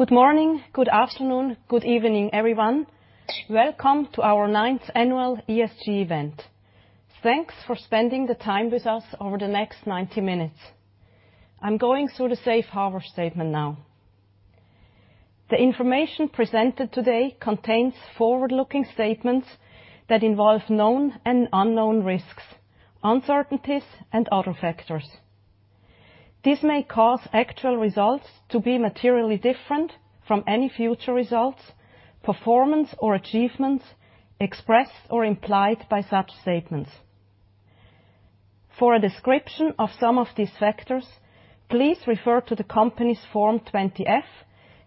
Good morning, good afternoon, good evening, everyone. Welcome to our ninth annual ESG event. Thanks for spending the time with us over the next 90 minutes. I'm going through the safe harbor statement now. The information presented today contains forward-looking statements that involve known and unknown risks, uncertainties, and other factors. This may cause actual results to be materially different from any future results, performance, or achievements expressed or implied by such statements. For a description of some of these factors, please refer to the company's Form 20-F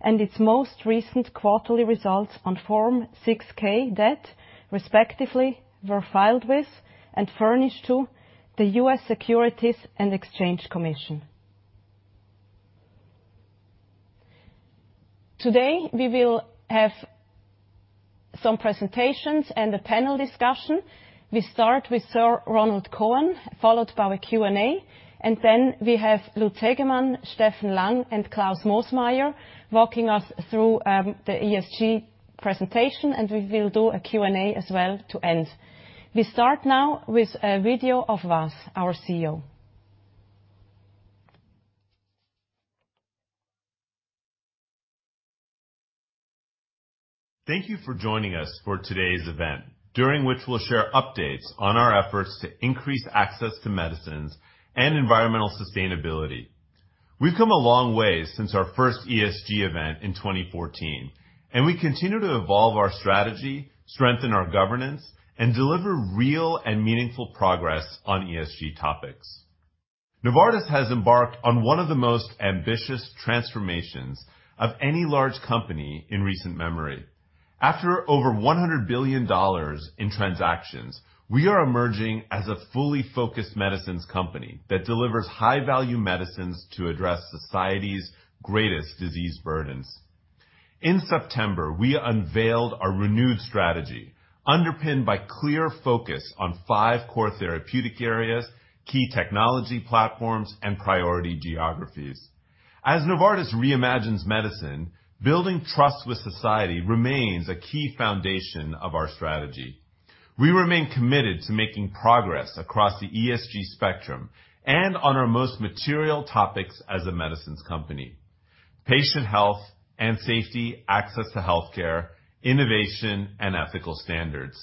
and its most recent quarterly results on Form 6-K that respectively were filed with and furnished to the U.S. Securities and Exchange Commission. Today, we will have some presentations and a panel discussion. We start with Sir Ronald Cohen, followed by a Q&A, then we have Lutz Hegemann, Steffen Lang, and Klaus Moosmayer walking us through the ESG presentation, we will do a Q&A as well to end. We start now with a video of Vas, our CEO. Thank you for joining us for today's event, during which we'll share updates on our efforts to increase access to medicines and environmental sustainability. We've come a long way since our first ESG event in 2014. We continue to evolve our strategy, strengthen our governance, and deliver real and meaningful progress on ESG topics. Novartis has embarked on one of the most ambitious transformations of any large company in recent memory. After over $100 billion in transactions, we are emerging as a fully focused medicines company that delivers high-value medicines to address society's greatest disease burdens. In September, we unveiled our renewed strategy, underpinned by clear focus on five core therapeutic areas, key technology platforms, and priority geographies. As Novartis reimagines medicine, building trust with society remains a key foundation of our strategy. We remain committed to making progress across the ESG spectrum and on our most material topics as a medicines company. Patient health and safety, access to healthcare, innovation, and ethical standards.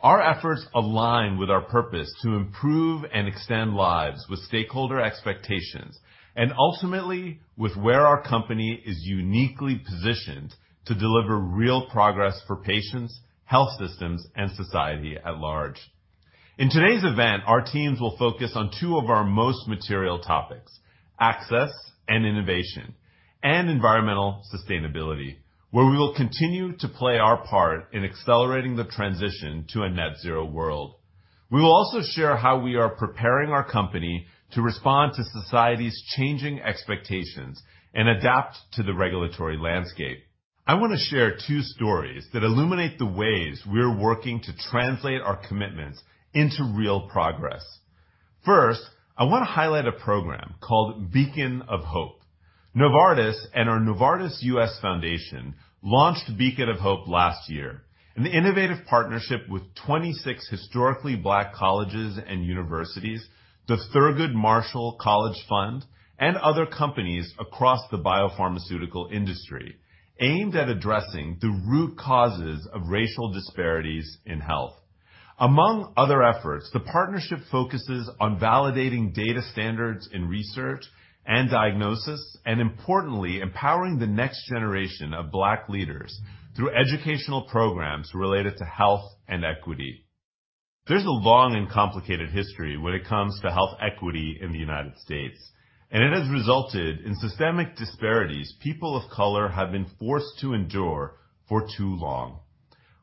Our efforts align with our purpose to improve and extend lives with stakeholder expectations and ultimately with where our company is uniquely positioned to deliver real progress for patients, health systems, and society at large. In today's event, our teams will focus on two of our most material topics, access and innovation and environmental sustainability, where we will continue to play our part in accelerating the transition to a net zero world. We will also share how we are preparing our company to respond to society's changing expectations and adapt to the regulatory landscape. I wanna share two stories that illuminate the ways we're working to translate our commitments into real progress. First, I wanna highlight a program called Beacon of Hope. Novartis and our Novartis US Foundation launched Beacon of Hope last year, an innovative partnership with 26 historically black colleges and universities, the Thurgood Marshall College Fund, and other companies across the biopharmaceutical industry aimed at addressing the root causes of racial disparities in health. Among other efforts, the partnership focuses on validating data standards in research and diagnosis, and importantly, empowering the next generation of black leaders through educational programs related to health and equity. There's a long and complicated history when it comes to health equity in the United States, and it has resulted in systemic disparities people of color have been forced to endure for too long.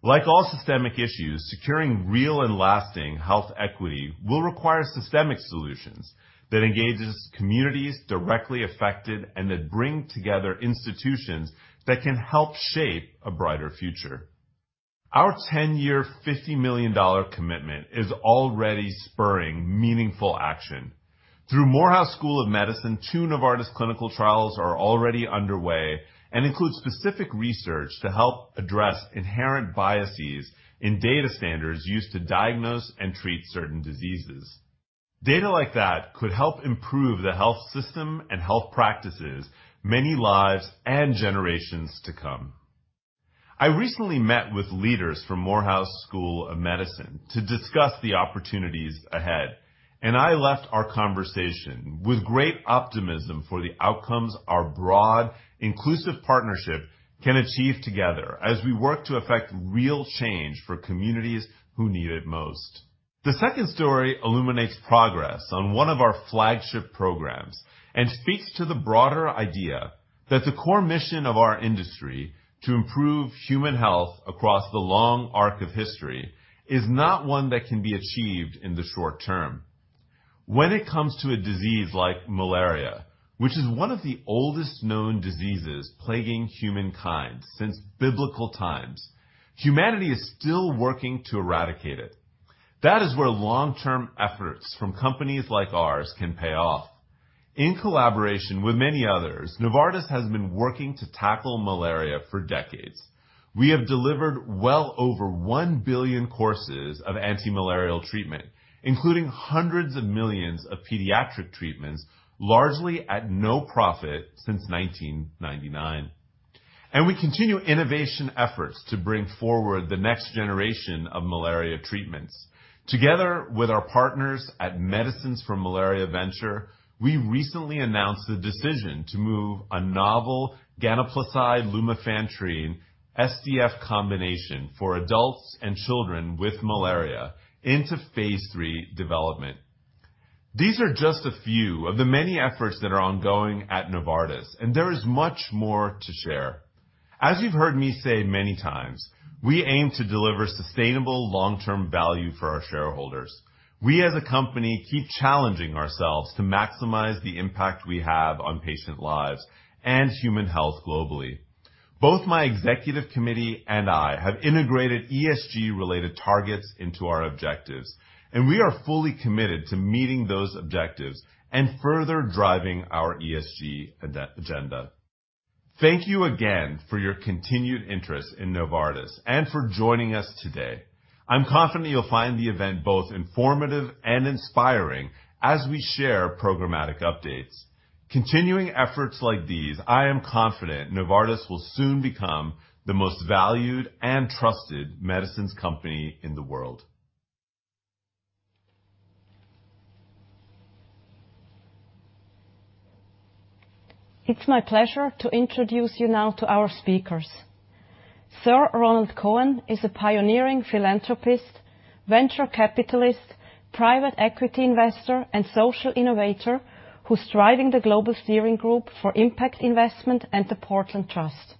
Like all systemic issues, securing real and lasting health equity will require systemic solutions that engages communities directly affected and that bring together institutions that can help shape a brighter future. Our 10-year $50 million commitment is already spurring meaningful action. Through Morehouse School of Medicine, two Novartis clinical trials are already underway and include specific research to help address inherent biases in data standards used to diagnose and treat certain diseases. Data like that could help improve the health system and health practices many lives and generations to come. I recently met with leaders from Morehouse School of Medicine to discuss the opportunities ahead, and I left our conversation with great optimism for the outcomes our broad, inclusive partnership can achieve together as we work to affect real change for communities who need it most. The second story illuminates progress on one of our flagship programs and speaks to the broader idea that the core mission of our industry to improve human health across the long arc of history is not one that can be achieved in the short term. When it comes to a disease like malaria, which is one of the oldest known diseases plaguing humankind since biblical times, humanity is still working to eradicate it. That is where long-term efforts from companies like ours can pay off. In collaboration with many others, Novartis has been working to tackle malaria for decades. We have delivered well over 1 billion courses of antimalarial treatment, including hundreds of millions of pediatric treatments, largely at no profit since 1999. We continue innovation efforts to bring forward the next generation of malaria treatments. Together with our partners at Medicines for Malaria Venture, we recently announced a decision to move a novel ganaplacide lumefantrine SDF combination for adults and children with malaria into phase 3 development. These are just a few of the many efforts that are ongoing at Novartis, and there is much more to share. As you've heard me say many times, we aim to deliver sustainable long-term value for our shareholders. We as a company, keep challenging ourselves to maximize the impact we have on patient lives and human health globally. Both my executive committee and I have integrated ESG-related targets into our objectives, and we are fully committed to meeting those objectives and further driving our ESG agenda. Thank you again for your continued interest in Novartis and for joining us today. I'm confident you'll find the event both informative and inspiring as we share programmatic updates. Continuing efforts like these, I am confident Novartis will soon become the most valued and trusted medicines company in the world. It's my pleasure to introduce you now to our speakers. Sir Ronald Cohen is a pioneering philanthropist, venture capitalist, private equity investor, and social innovator who's driving the Global Steering Group for Impact Investment and The Portland Trust.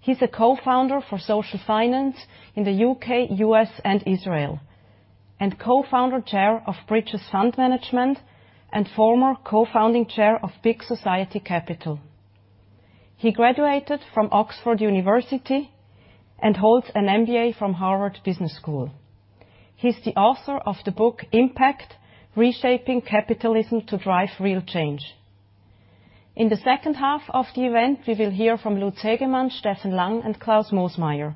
He's a co-founder for Social Finance in the U.K., U.S., and Israel, and co-founder, chair of Bridges Fund Management, and former co-founding chair of Big Society Capital. He graduated from the University of Oxford and holds an MBA from Harvard Business School. He's the author of the book Impact: Reshaping Capitalism to Drive Real Change. In the second half of the event, we will hear from Lutz Hegemann, Steffen Lang, and Klaus Moosmayer.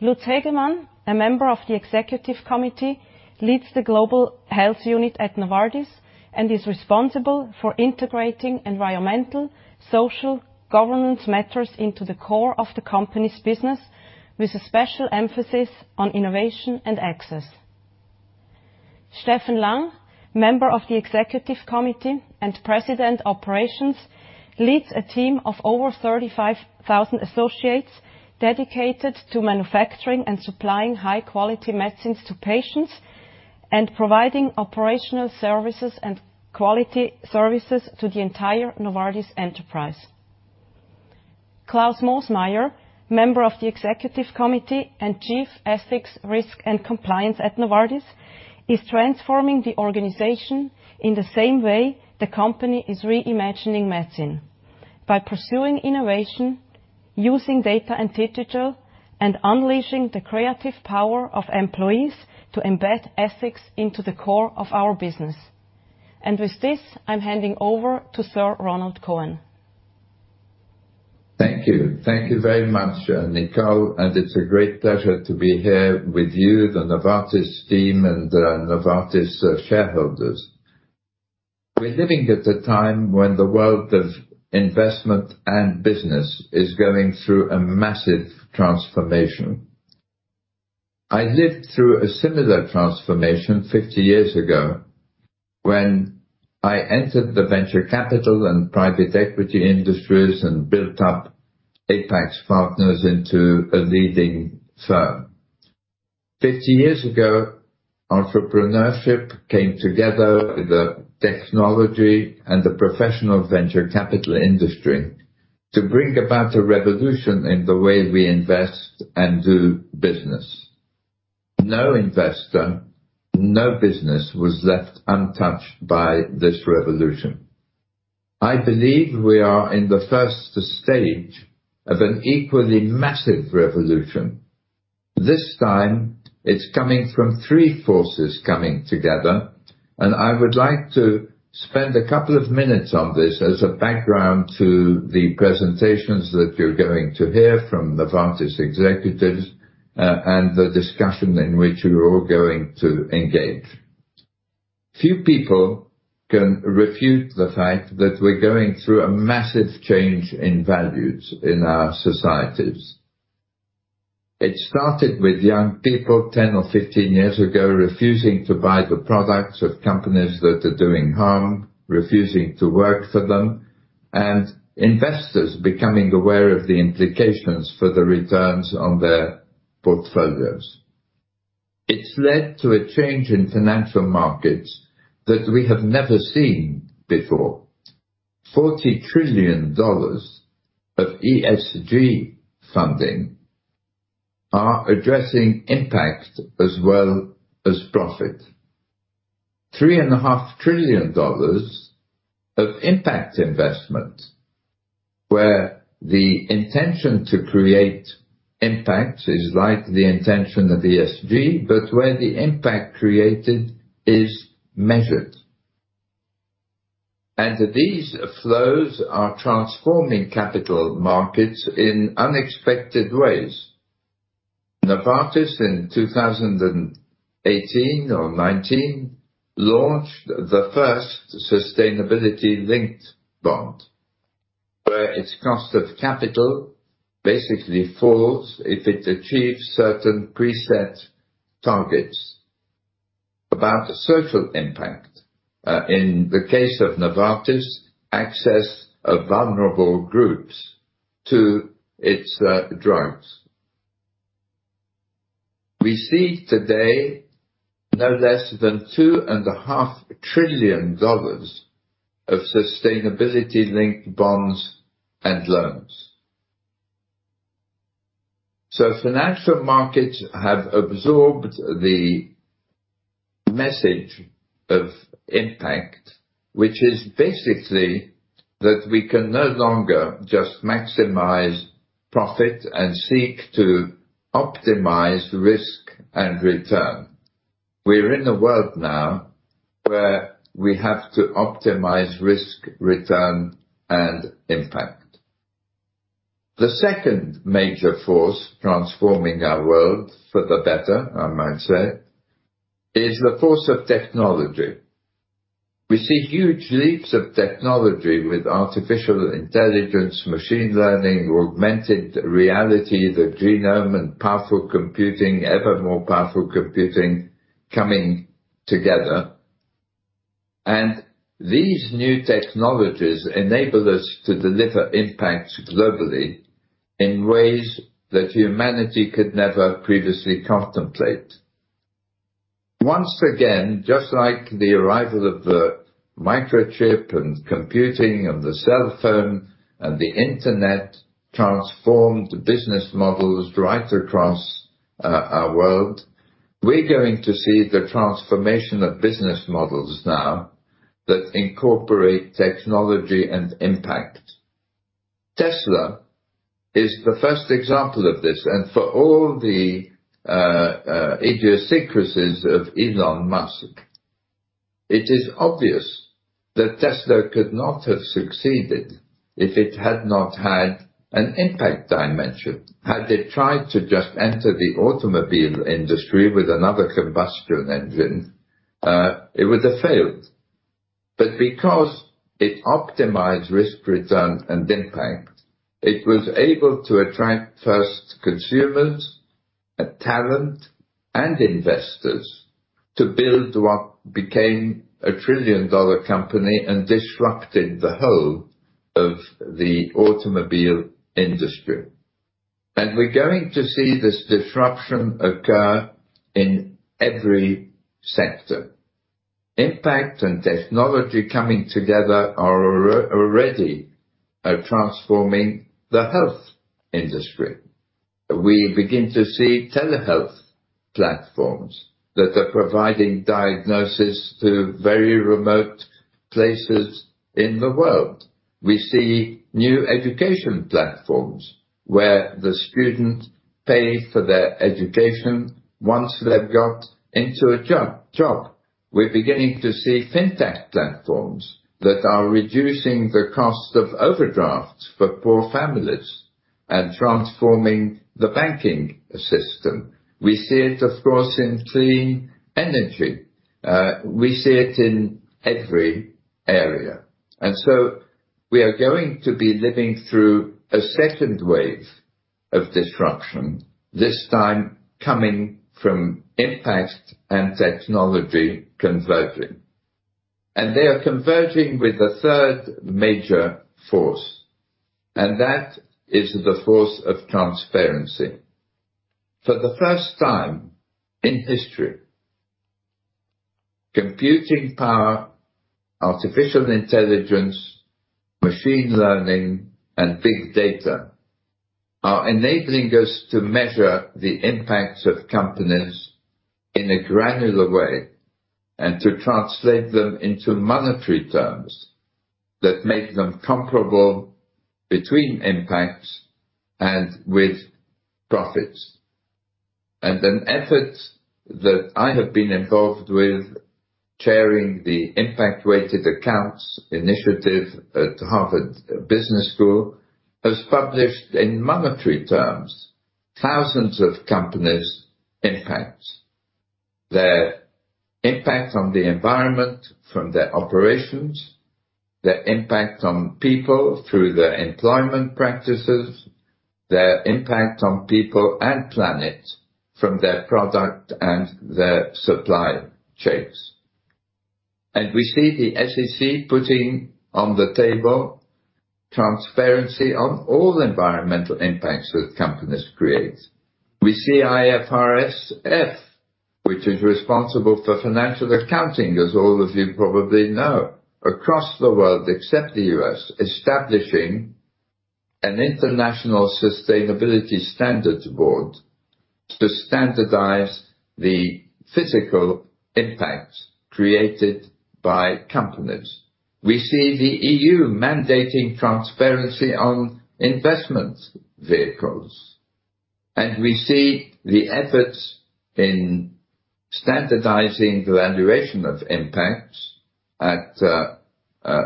Lutz Hegemann, a member of the executive committee, leads the global health unit at Novartis and is responsible for integrating environmental, social governance matters into the core of the company's business, with a special emphasis on innovation and access. Steffen Lang, member of the executive committee and President, Operations, leads a team of over 35,000 associates dedicated to manufacturing and supplying high-quality medicines to patients and providing operational services and quality services to the entire Novartis enterprise. Klaus Moosmayer, member of the executive committee and Chief Ethics, Risk and Compliance at Novartis, is transforming the organization in the same way the company is reimagining medicine, by pursuing innovation, using data and digital, and unleashing the creative power of employees to embed ethics into the core of our business. With this, I'm handing over to Sir Ronald Cohen. Thank you. Thank you very much, Nicole, and it's a great pleasure to be here with you, the Novartis team, and Novartis shareholders. We're living at a time when the world of investment and business is going through a massive transformation. I lived through a similar transformation 50 years ago when I entered the venture capital and private equity industries and built up Apax Partners into a leading firm. 50 years ago, entrepreneurship came together with the technology and the professional venture capital industry to bring about a revolution in the way we invest and do business. No investor, no business was left untouched by this revolution. I believe we are in the first stage of an equally massive revolution. This time it's coming from three forces coming together, and I would like to spend a couple of minutes on this as a background to the presentations that you're going to hear from Novartis executives and the discussion in which you're all going to engage. Few people can refute the fact that we're going through a massive change in values in our societies. It started with young people 10 or 15 years ago refusing to buy the products of companies that are doing harm, refusing to work for them, and investors becoming aware of the implications for the returns on their portfolios. It's led to a change in financial markets that we have never seen before. $40 trillion of ESG funding are addressing impact as well as profit. Three and a half trillion dollars of impact investment, where the intention to create impact is like the intention of ESG, but where the impact created is measured. These flows are transforming capital markets in unexpected ways. Novartis in 2018 or 2019 launched the first sustainability-linked bond, where its cost of capital basically falls if it achieves certain preset targets about social impact. In the case of Novartis, access of vulnerable groups to its drugs. We see today no less than $2.5 trillion of sustainability-linked bonds and loans. Financial markets have absorbed the message of impact, which is basically that we can no longer just maximize profit and seek to optimize risk and return. We're in a world now where we have to optimize risk, return, and impact. The second major force transforming our world, for the better I might say, is the force of technology. We see huge leaps of technology with artificial intelligence, machine learning, augmented reality, the genome, and powerful computing, ever more powerful computing coming together. These new technologies enable us to deliver impact globally in ways that humanity could never previously contemplate. Once again, just like the arrival of the microchip and computing and the cell phone and the internet transformed business models right across our world, we're going to see the transformation of business models now that incorporate technology and impact. Tesla is the first example of this, and for all the idiosyncrasies of Elon Musk, it is obvious that Tesla could not have succeeded if it had not had an impact dimension. Had it tried to just enter the automobile industry with another combustion engine, it would have failed. Because it optimized risk, return, and impact, it was able to attract first consumers, talent, and investors to build what became a trillion-dollar company and disrupted the whole of the automobile industry. We're going to see this disruption occur in every sector. Impact and technology coming together are already transforming the health industry. We begin to see telehealth platforms that are providing diagnosis to very remote places in the world. We see new education platforms where the student pay for their education once they've got into a job. We're beginning to see fintech platforms that are reducing the cost of overdrafts for poor families and transforming the banking system. We see it, of course, in clean energy. We see it in every area. We are going to be living through a second wave of disruption, this time coming from impact and technology converging. They are converging with the third major force, and that is the force of transparency. For the first time in history, computing power, artificial intelligence, machine learning, and big data are enabling us to measure the impacts of companies in a granular way and to translate them into monetary terms that make them comparable between impacts and with profits. An effort that I have been involved with, chairing the Impact-Weighted Accounts Initiative at Harvard Business School, has published, in monetary terms, thousands of companies' impacts. Their impact on the environment from their operations, their impact on people through their employment practices, their impact on people and planet from their product and their supply chains. We see the SEC putting on the table transparency on all the environmental impacts that companies create. We see the IFRS Foundation, which is responsible for financial accounting, as all of you probably know, across the world, except the U.S., establishing an International Sustainability Standards Board to standardize the physical impact created by companies. We see the EU mandating transparency on investment vehicles, we see the efforts in standardizing the valuation of impact,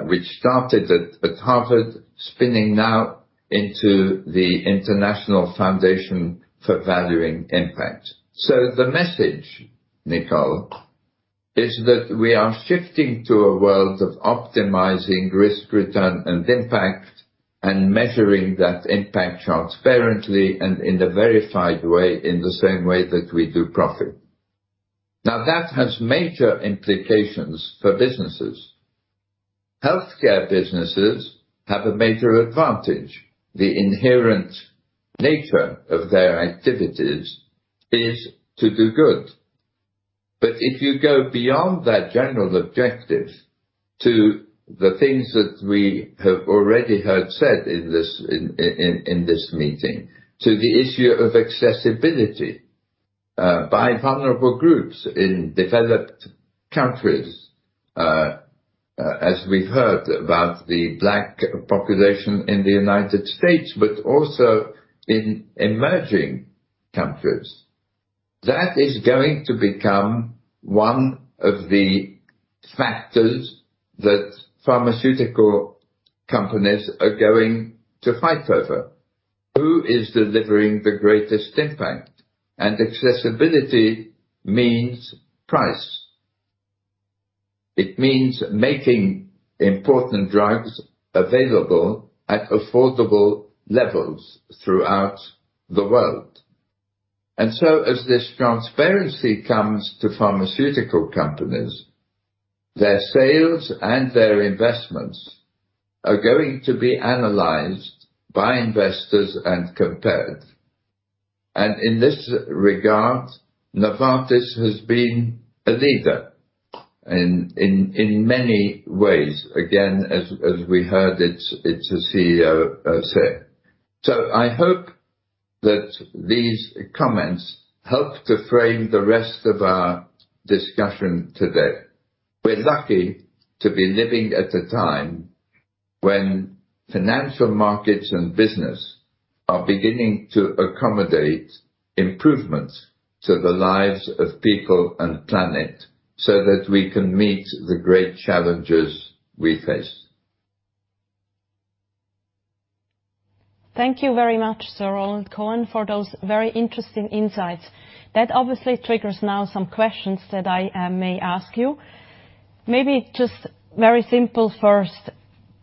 which started at Harvard, spinning now into the International Foundation for Valuing Impact. The message, Nicole, is that we are shifting to a world of optimizing risk return and impact, and measuring that impact transparently and in a verified way, in the same way that we do profit. Now, that has major implications for businesses. Healthcare businesses have a major advantage. The inherent nature of their activities is to do good. If you go beyond that general objective to the things that we have already heard said in this meeting, to the issue of accessibility by vulnerable groups in developed countries, as we've heard about the Black population in the United States, but also in emerging countries, that is going to become one of the factors that pharmaceutical companies are going to fight over. Who is delivering the greatest impact? Accessibility means price. It means making important drugs available at affordable levels throughout the world. As this transparency comes to pharmaceutical companies, their sales and their investments are going to be analyzed by investors and compared. In this regard, Novartis has been a leader in many ways, again, as we heard its CEO say. I hope that these comments help to frame the rest of our discussion today. We're lucky to be living at a time when financial markets and business are beginning to accommodate improvements to the lives of people and planet, so that we can meet the great challenges we face. Thank you very much, Sir Ronald Cohen, for those very interesting insights. That obviously triggers now some questions that I may ask you. Maybe just very simple first,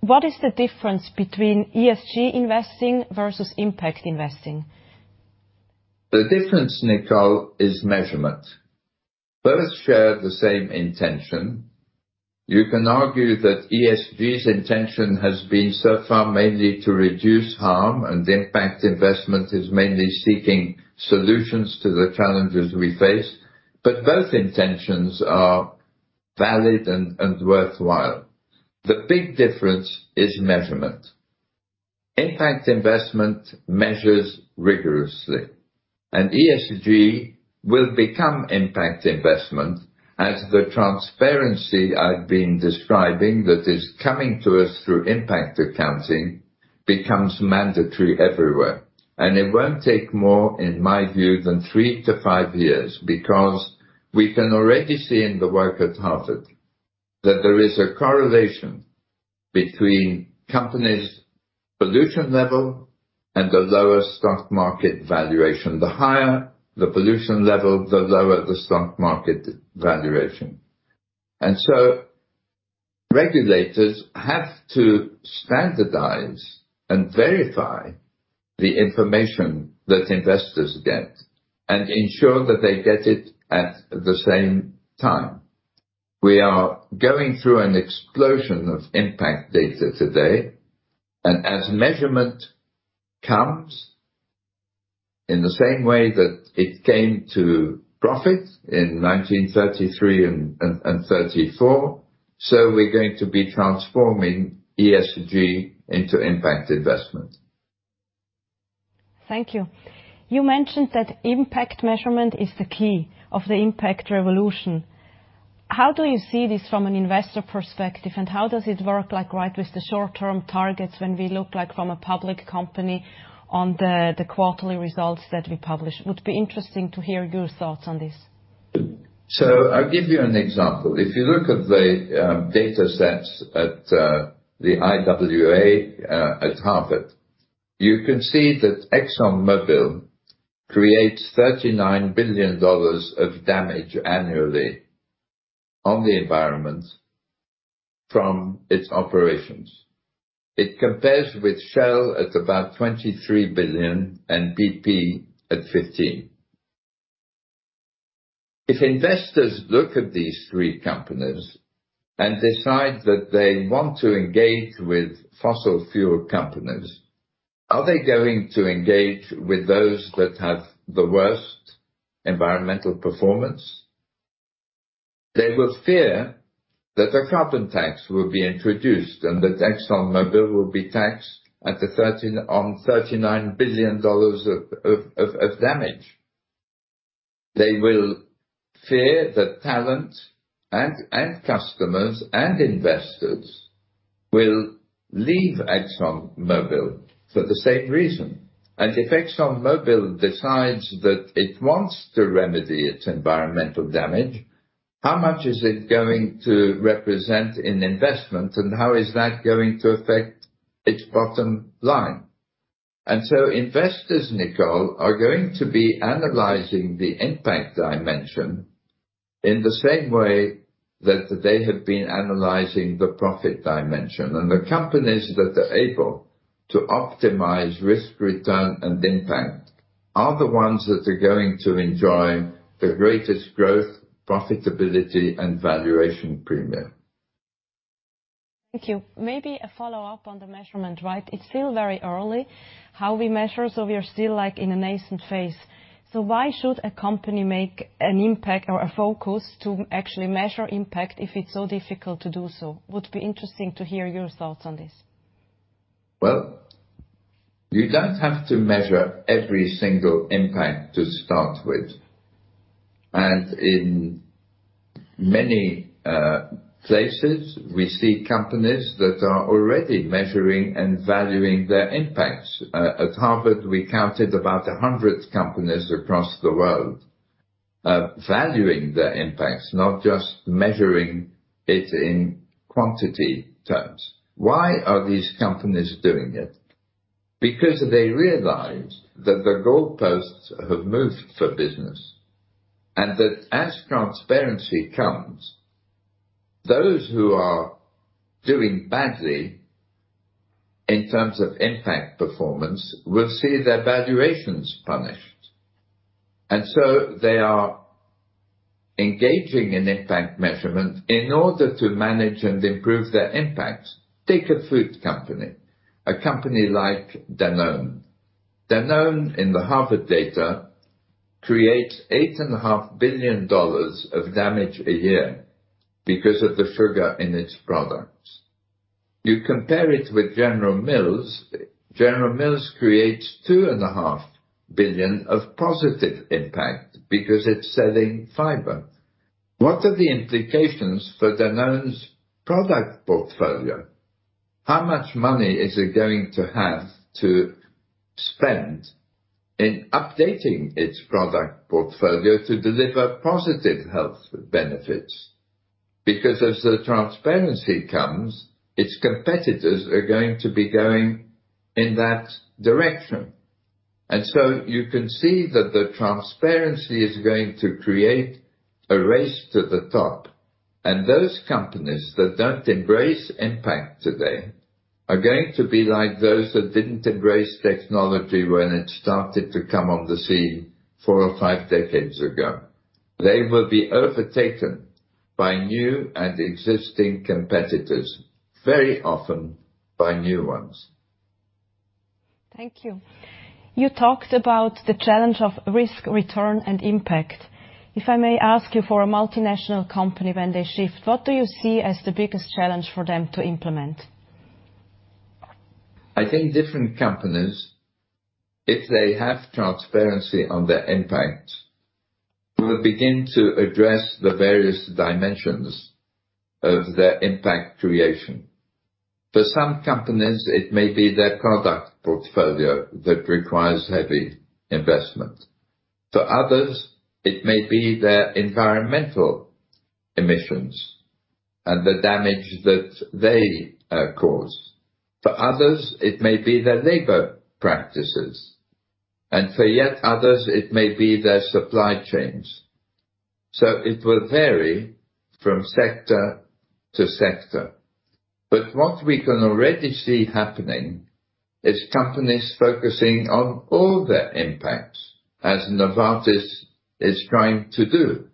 what is the difference between ESG investing versus impact investing? The difference, Nicole, is measurement. Both share the same intention. You can argue that ESG's intention has been so far mainly to reduce harm, and impact investment is mainly seeking solutions to the challenges we face, but both intentions are valid and worthwhile. The big difference is measurement. Impact investment measures rigorously, and ESG will become impact investment as the transparency I've been describing that is coming to us through impact accounting becomes mandatory everywhere. It won't take more, in my view, than three to five years, because we can already see in the work at Harvard that there is a correlation between companies' pollution level and the lower stock market valuation. The higher the pollution level, the lower the stock market valuation. Regulators have to standardize and verify the information that investors get and ensure that they get it at the same time. We are going through an explosion of impact data today. As measurement comes in the same way that it came to profit in 1933 and 1934, we're going to be transforming ESG into impact investment. Thank you. You mentioned that impact measurement is the key of the impact revolution. How do you see this from an investor perspective, and how does it work, like, right with the short-term targets when we look, like, from a public company on the quarterly results that we publish? It would be interesting to hear your thoughts on this. I'll give you an example. If you look at the data sets at the IWA at Harvard, you can see that ExxonMobil creates $39 billion of damage annually on the environment from its operations. It compares with Shell at about $23 billion and BP at $15 billion. If investors look at these three companies and decide that they want to engage with fossil fuel companies, are they going to engage with those that have the worst environmental performance? They will fear that a carbon tax will be introduced and that ExxonMobil will be taxed on $39 billion of damage. They will fear that talent and customers and investors will leave ExxonMobil for the same reason. If ExxonMobil decides that it wants to remedy its environmental damage, how much is it going to represent in investment and how is that going to affect its bottom line? Investors, Nicole, are going to be analyzing the impact I mentioned in the same way that they have been analyzing the profit dimension. The companies that are able to optimize risk, return, and impact are the ones that are going to enjoy the greatest growth, profitability, and valuation premium. Thank you. Maybe a follow-up on the measurement, right? It's still very early how we measure, so we are still, like, in a nascent phase. Why should a company make an impact or a focus to actually measure impact if it's so difficult to do so? Would be interesting to hear your thoughts on this. Well, you don't have to measure every single impact to start with. In many places, we see companies that are already measuring and valuing their impacts. At Harvard, we counted about 100 companies across the world, valuing their impacts, not just measuring it in quantity terms. Why are these companies doing it? Because they realize that the goalposts have moved for business, and that as transparency comes, those who are doing badly in terms of impact performance will see their valuations punished. They are engaging in impact measurement in order to manage and improve their impacts. Take a food company, a company like Danone. Danone, in the Harvard data, creates $8.5 billion of damage a year because of the sugar in its products. You compare it with General Mills. General Mills creates $2.5 billion of positive impact because it's selling fiber. What are the implications for Danone's product portfolio? How much money is it going to have to spend in updating its product portfolio to deliver positive health benefits? As the transparency comes, its competitors are going to be going in that direction. You can see that the transparency is going to create a race to the top. Those companies that don't embrace impact today are going to be like those that didn't embrace technology when it started to come on the scene four or five decades ago. They will be overtaken by new and existing competitors, very often by new ones. Thank you. You talked about the challenge of risk, return, and impact. If I may ask you, for a multinational company, when they shift, what do you see as the biggest challenge for them to implement? I think different companies, if they have transparency on their impact, will begin to address the various dimensions of their impact creation. For some companies, it may be their product portfolio that requires heavy investment. For others, it may be their environmental emissions and the damage that they cause. For others, it may be their labor practices. For yet others, it may be their supply chains. It will vary from sector to sector. What we can already see happening is companies focusing on all their impacts, as Novartis is trying to do,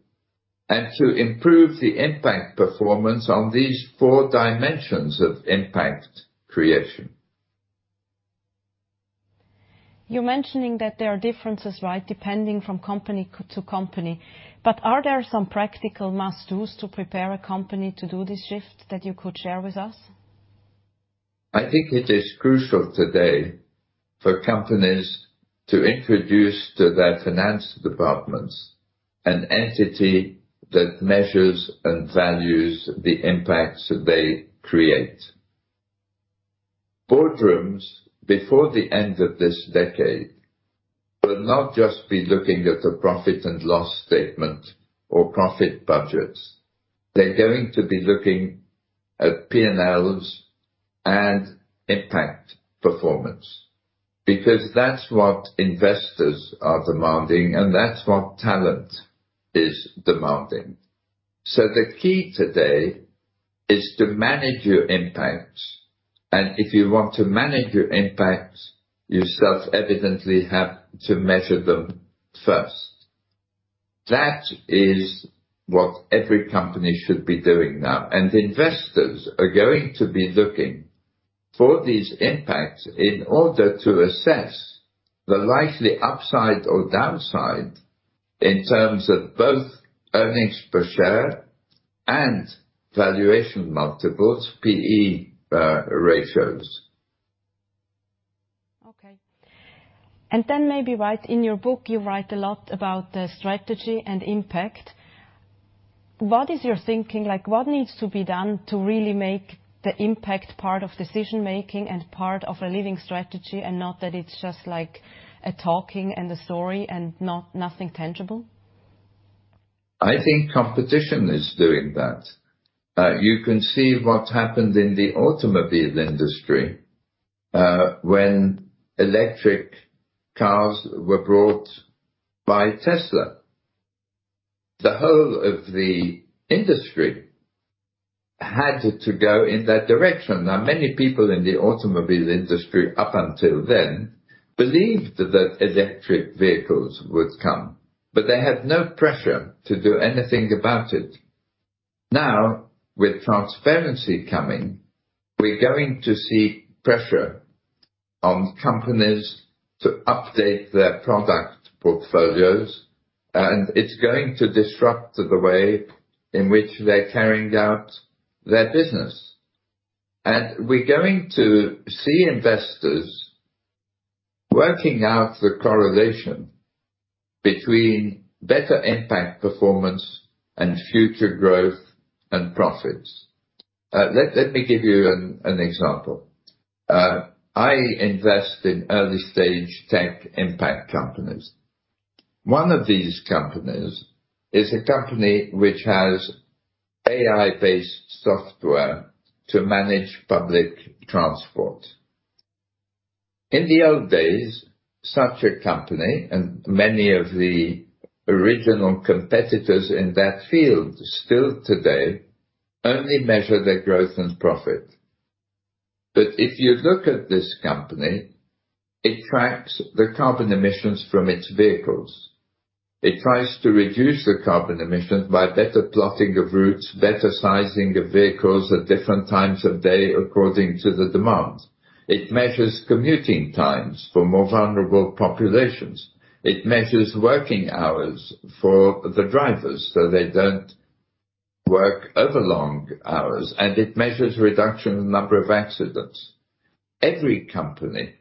and to improve the impact performance on these four dimensions of impact creation. You're mentioning that there are differences, right? Depending from company to company. Are there some practical must-dos to prepare a company to do this shift that you could share with us? I think it is crucial today for companies to introduce to their finance departments an entity that measures and values the impacts that they create. Boardrooms, before the end of this decade, will not just be looking at the profit and loss statement or profit budgets. They're going to be looking at P&Ls and impact performance, because that's what investors are demanding and that's what talent is demanding. The key today is to manage your impacts. If you want to manage your impacts, you self-evidently have to measure them first. That is what every company should be doing now. Investors are going to be looking for these impacts in order to assess the likely upside or downside in terms of both earnings per share and valuation multiples, PE ratios. Okay. Maybe, right, in your book you write a lot about the strategy and impact. What is your thinking? Like, what needs to be done to really make the impact part of decision-making and part of a living strategy, and not that it's just like a talking and a story and not, nothing tangible? I think competition is doing that. You can see what happened in the automobile industry, when electric cars were brought by Tesla. The whole of the industry had to go in that direction. Now, many people in the automobile industry up until then believed that electric vehicles would come, but they had no pressure to do anything about it. Now, with transparency coming, we're going to see pressure on companies to update their product portfolios, and it's going to disrupt the way in which they're carrying out their business. We're going to see investors working out the correlation between better impact performance and future growth and profits. Let me give you an example. I invest in early stage tech impact companies. One of these companies is a company which has AI-based software to manage public transport. In the old days, such a company, and many of the original competitors in that field still today, only measure their growth and profit. If you look at this company, it tracks the carbon emissions from its vehicles. It tries to reduce the carbon emissions by better plotting of routes, better sizing of vehicles at different times of day according to the demand. It measures commuting times for more vulnerable populations. It measures working hours for the drivers, so they don't work overlong hours, and it measures reduction in number of accidents. Every company,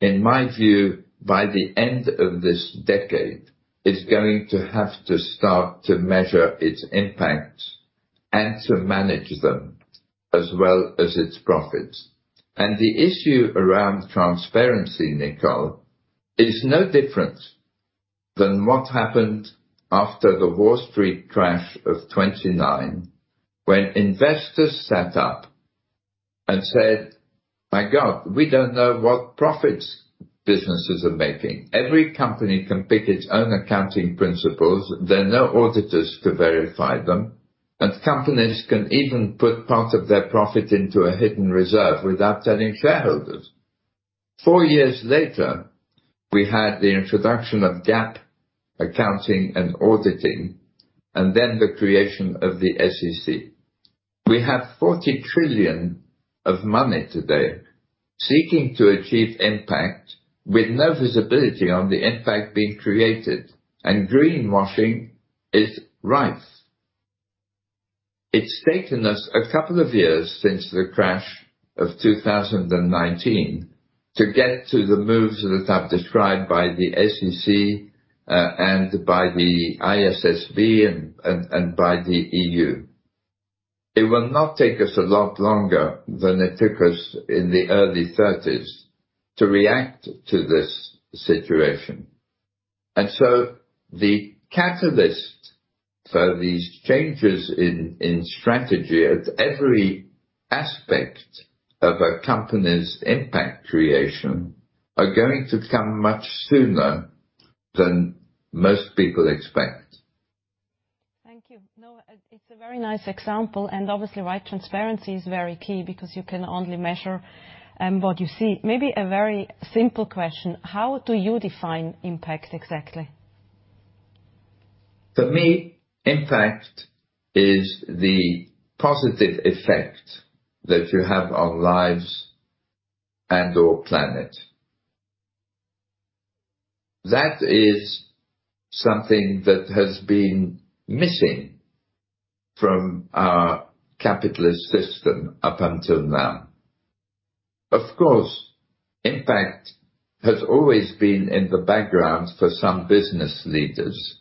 in my view, by the end of this decade, is going to have to start to measure its impact and to manage them as well as its profits. The issue around transparency, Nicole, is no different than what happened after the Wall Street crash of 29 when investors sat up and said, "My God, we don't know what profits businesses are making. Every company can pick its own accounting principles. There are no auditors to verify them, and companies can even put part of their profit into a hidden reserve without telling shareholders." Four years later, we had the introduction of GAAP accounting and auditing, and then the creation of the SEC. We have $40 trillion of money today seeking to achieve impact with no visibility on the impact being created, and greenwashing is rife. It's taken us a couple of years since the crash of 2019 to get to the moves that I've described by the SEC, and by the ISSB and by the EU. It will not take us a lot longer than it took us in the early 30s to react to this situation. The catalyst for these changes in strategy at every aspect of a company's impact creation are going to come much sooner than most people expect. Thank you. No, it's a very nice example, and obviously, right, transparency is very key because you can only measure what you see. Maybe a very simple question. How do you define impact exactly? For me, impact is the positive effect that you have on lives and/or planet. That is something that has been missing from our capitalist system up until now. Of course, impact has always been in the background for some business leaders.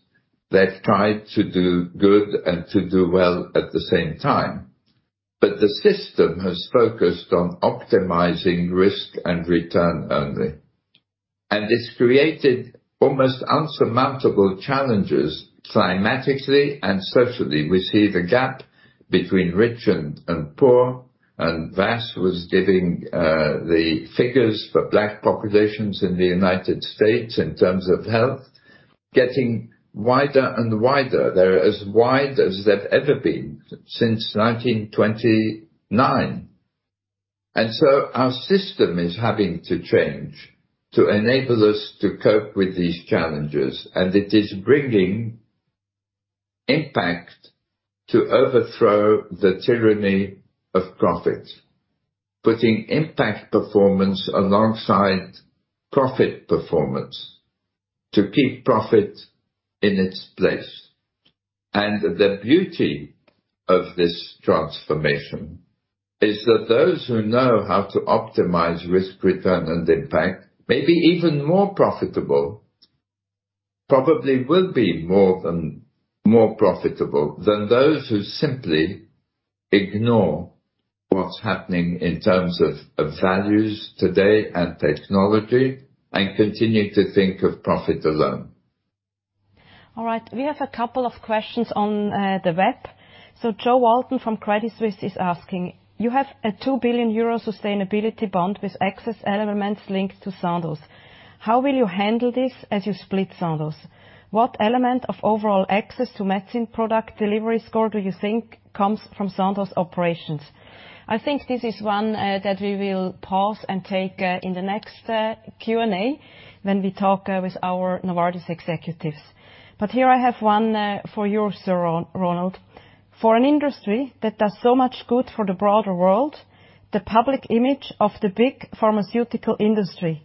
They've tried to do good and to do well at the same time. The system has focused on optimizing risk and return only. It's created almost insurmountable challenges climatically and socially. We see the gap between rich and poor, and Vas was giving the figures for Black populations in the United States in terms of health, getting wider and wider. They're as wide as they've ever been since 1929. Our system is having to change to enable us to cope with these challenges, and it is bringing impact to overthrow the tyranny of profit. Putting impact performance alongside profit performance to keep profit in its place. The beauty of this transformation is that those who know how to optimize risk return and impact may be even more profitable, probably will be more profitable than those who simply ignore what's happening in terms of values today and technology, and continue to think of profit alone. All right. We have a couple of questions on the web. Jo Walton from Credit Suisse is asking, you have a 2 billion euro sustainability bond with excess elements linked to Sandoz. How will you handle this as you split Sandoz? What element of overall access to medicine product delivery score do you think comes from Sandoz operations? I think this is one that we will pause and take in the next Q&A when we talk with our Novartis executives. Here I have one for you, Sir Ronald. For an industry that does so much good for the broader world, the public image of the big pharmaceutical industry,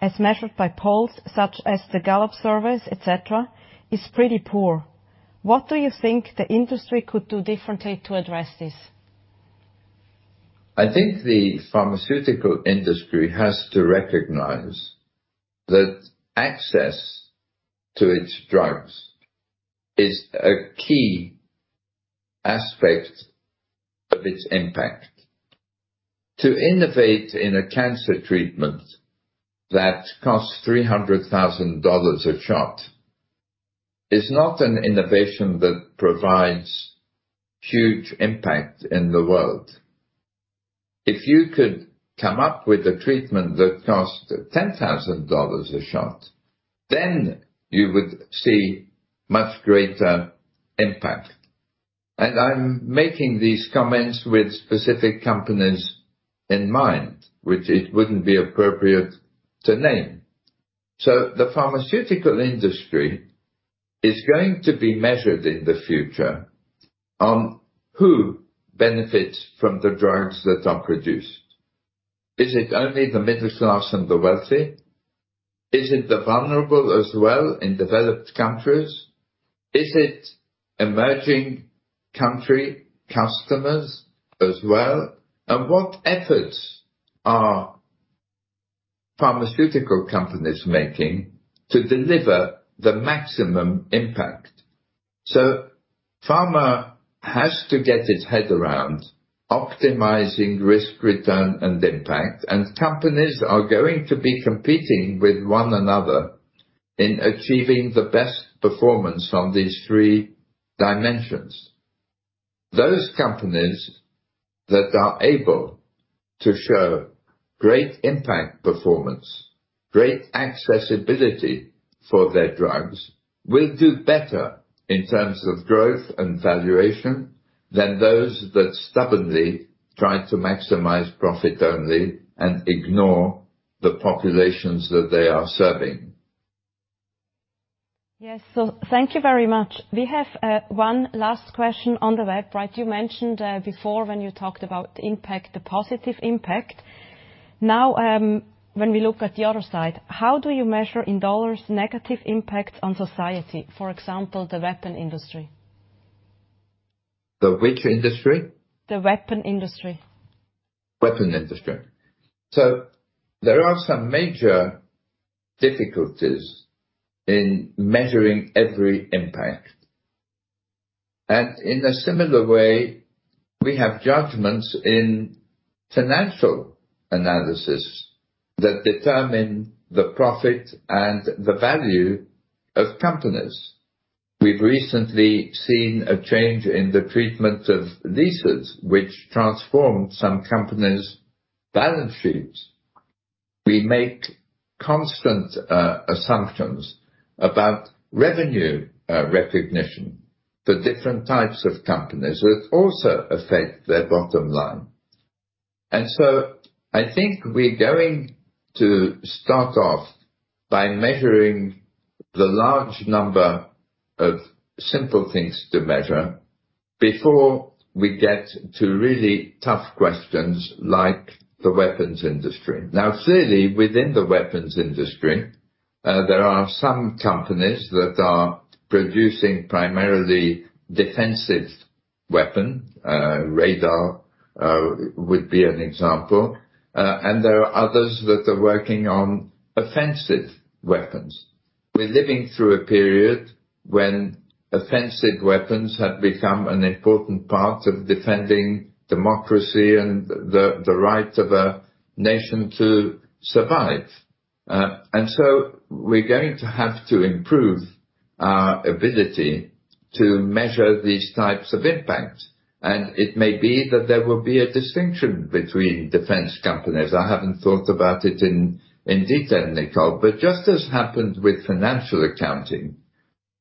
as measured by polls such as the Gallup surveys, et cetera, is pretty poor. What do you think the industry could do differently to address this? I think the pharmaceutical industry has to recognize that access to its drugs is a key aspect of its impact. To innovate in a cancer treatment that costs $300,000 a shot is not an innovation that provides huge impact in the world. If you could come up with a treatment that cost $10,000 a shot, then you would see much greater impact. I'm making these comments with specific companies in mind, which it wouldn't be appropriate to name. The pharmaceutical industry is going to be measured in the future on who benefits from the drugs that are produced. Is it only the middle class and the wealthy? Is it the vulnerable as well in developed countries? Is it emerging country customers as well? What efforts are pharmaceutical companies making to deliver the maximum impact? Pharma has to get its head around optimizing risk return and impact, and companies are going to be competing with one another in achieving the best performance on these three dimensions. Those companies that are able to show great impact performance, great accessibility for their drugs, will do better in terms of growth and valuation than those that stubbornly try to maximize profit only and ignore the populations that they are serving. Yes. Thank you very much. We have one last question on the web. Right. You mentioned before when you talked about impact, the positive impact. When we look at the other side, how do you measure in dollars negative impact on society, for example, the weapon industry? The which industry? The weapon industry. Weapon industry. There are some major difficulties in measuring every impact. In a similar way, we have judgments in financial analysis that determine the profit and the value of companies. We've recently seen a change in the treatment of leases which transformed some companies' balance sheets. We make constant assumptions about revenue recognition for different types of companies that also affect their bottom line. I think we're going to start off by measuring the large number of simple things to measure before we get to really tough questions like the weapons industry. Clearly within the weapons industry, there are some companies that are producing primarily defensive weapon, radar would be an example, and there are others that are working on offensive weapons. We're living through a period when offensive weapons have become an important part of defending democracy and the right of a nation to survive. We're going to have to improve our ability to measure these types of impacts. It may be that there will be a distinction between defense companies. I haven't thought about it in detail, Nicole. Just as happened with financial accounting,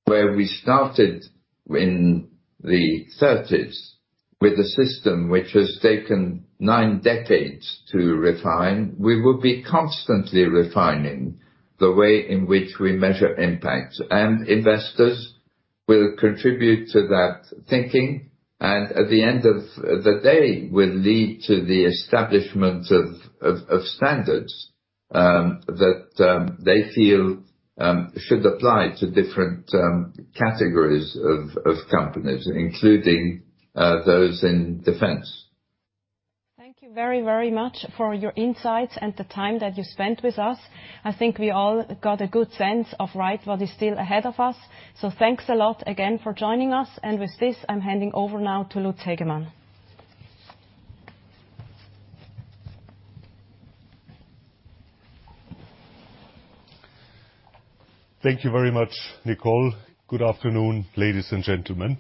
where we started in the thirties with a system which has taken nine decades to refine, we will be constantly refining the way in which we measure impact. Investors will contribute to that thinking, and at the end of the day, will lead to the establishment of standards that they feel should apply to different categories of companies, including those in defense. Thank you very, very much for your insights and the time that you spent with us. I think we all got a good sense of right what is still ahead of us. Thanks a lot again for joining us. With this, I'm handing over now to Lutz Hegemann. Thank you very much, Nicole. Good afternoon, ladies and gentlemen.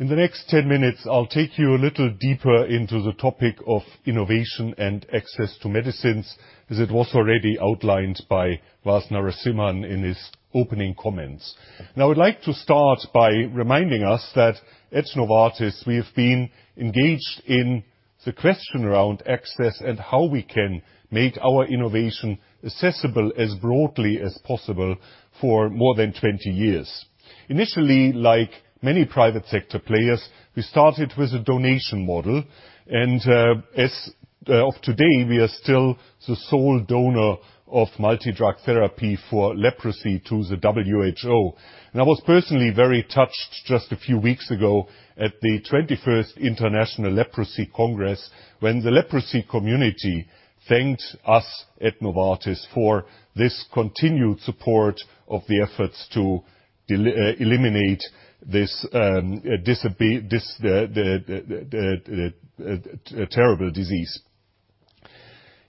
In the next 10 minutes, I'll take you a little deeper into the topic of innovation and access to medicines, as it was already outlined by Vas Narasimhan in his opening comments. Now, I'd like to start by reminding us that at Novartis we have been engaged in the question around access and how we can make our innovation accessible as broadly as possible for more than 20 years. Initially, like many private sector players, we started with a donation model. As of today, we are still the sole donor of multi-drug therapy for leprosy to the WHO. I was personally very touched just a few weeks ago at the 21st International Leprosy Congress when the leprosy community thanked us at Novartis for this continued support of the efforts to eliminate this terrible disease.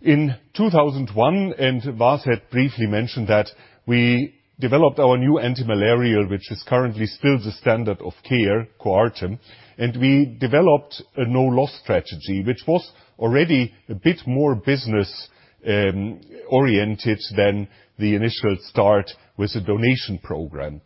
In 2001, Vas had briefly mentioned that, we developed our new antimalarial, which is currently still the standard of care, Coartem, and we developed a no-loss strategy, which was already a bit more business oriented than the initial start with the donation program.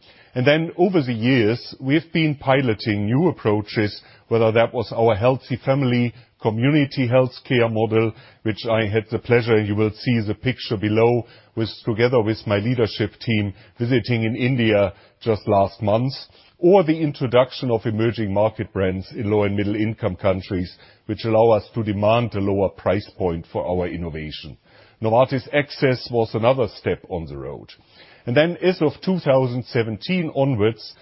Over the years, we've been piloting new approaches, whether that was our Healthy Family community health care model, which I had the pleasure, you will see the picture below was together with my leadership team visiting in India just last month, or the introduction of emerging market brands in low and middle income countries, which allow us to demand a lower price point for our innovation. Novartis Access was another step on the road. As of 2017 onwards,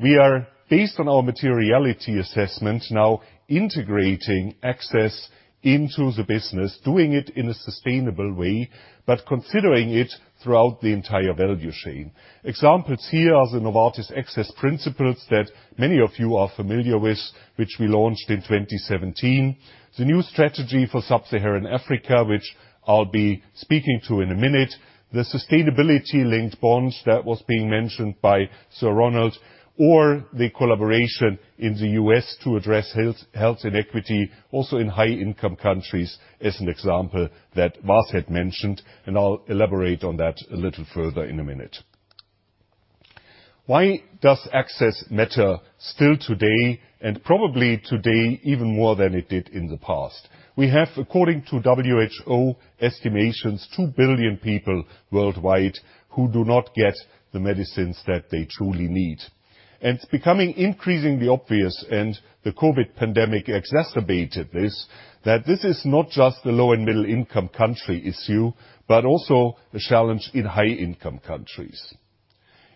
we are, based on our materiality assessment, now integrating access into the business, doing it in a sustainable way, but considering it throughout the entire value chain. Examples here are the Novartis Access Principles that many of you are familiar with, which we launched in 2017. The new strategy for Sub-Saharan Africa, which I'll be speaking to in a minute. The sustainability-linked bonds that was being mentioned by Sir Ronald, or the collaboration in the U.S. to address health inequity also in high-income countries, is an example that Vas had mentioned, and I'll elaborate on that a little further in a minute. Why does access matter still today and probably today even more than it did in the past? We have, according to WHO estimations, 2 billion people worldwide who do not get the medicines that they truly need. It's becoming increasingly obvious, and the COVID pandemic exacerbated this, that this is not just the low and middle-income country issue, but also a challenge in high-income countries.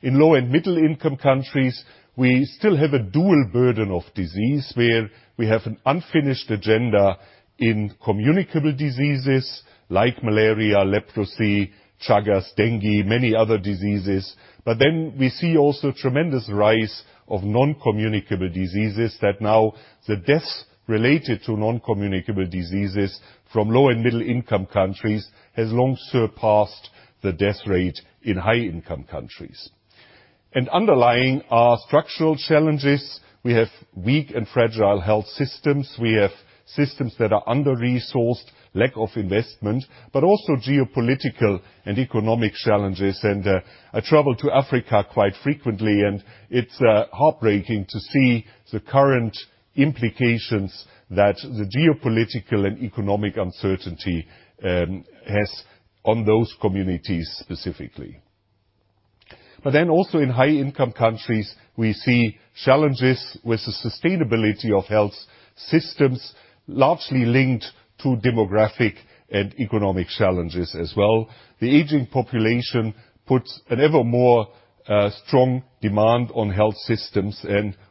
In low and middle-income countries, we still have a dual burden of disease where we have an unfinished agenda in communicable diseases like malaria, leprosy, Chagas, dengue, many other diseases. We see also tremendous rise of non-communicable diseases that now the deaths related to non-communicable diseases from low and middle-income countries has long surpassed the death rate in high-income countries. Underlying our structural challenges, we have weak and fragile health systems. We have systems that are under-resourced, lack of investment, but also geopolitical and economic challenges. I travel to Africa quite frequently, and it's heartbreaking to see the current implications that the geopolitical and economic uncertainty has on those communities specifically. Also in high-income countries, we see challenges with the sustainability of health systems, largely linked to demographic and economic challenges as well. The aging population puts an ever more strong demand on health systems.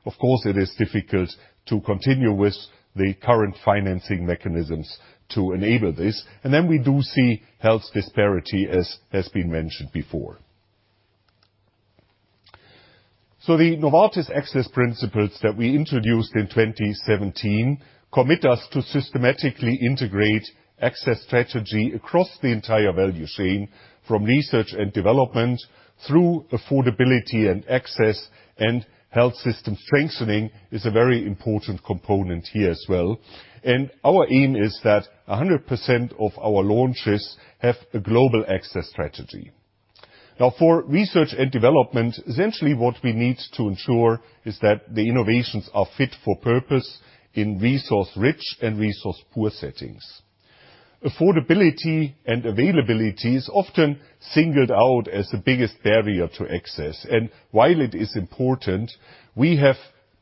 Of course, it is difficult to continue with the current financing mechanisms to enable this. We do see health disparity as been mentioned before. The Novartis Access Principles that we introduced in 2017 commit us to systematically integrate access strategy across the entire value chain, from research and development through affordability and access, and health system strengthening is a very important component here as well. Our aim is that 100% of our launches have a global access strategy. Now for research and development, essentially what we need to ensure is that the innovations are fit for purpose in resource-rich and resource-poor settings. Affordability and availability is often singled out as the biggest barrier to access. While it is important, we have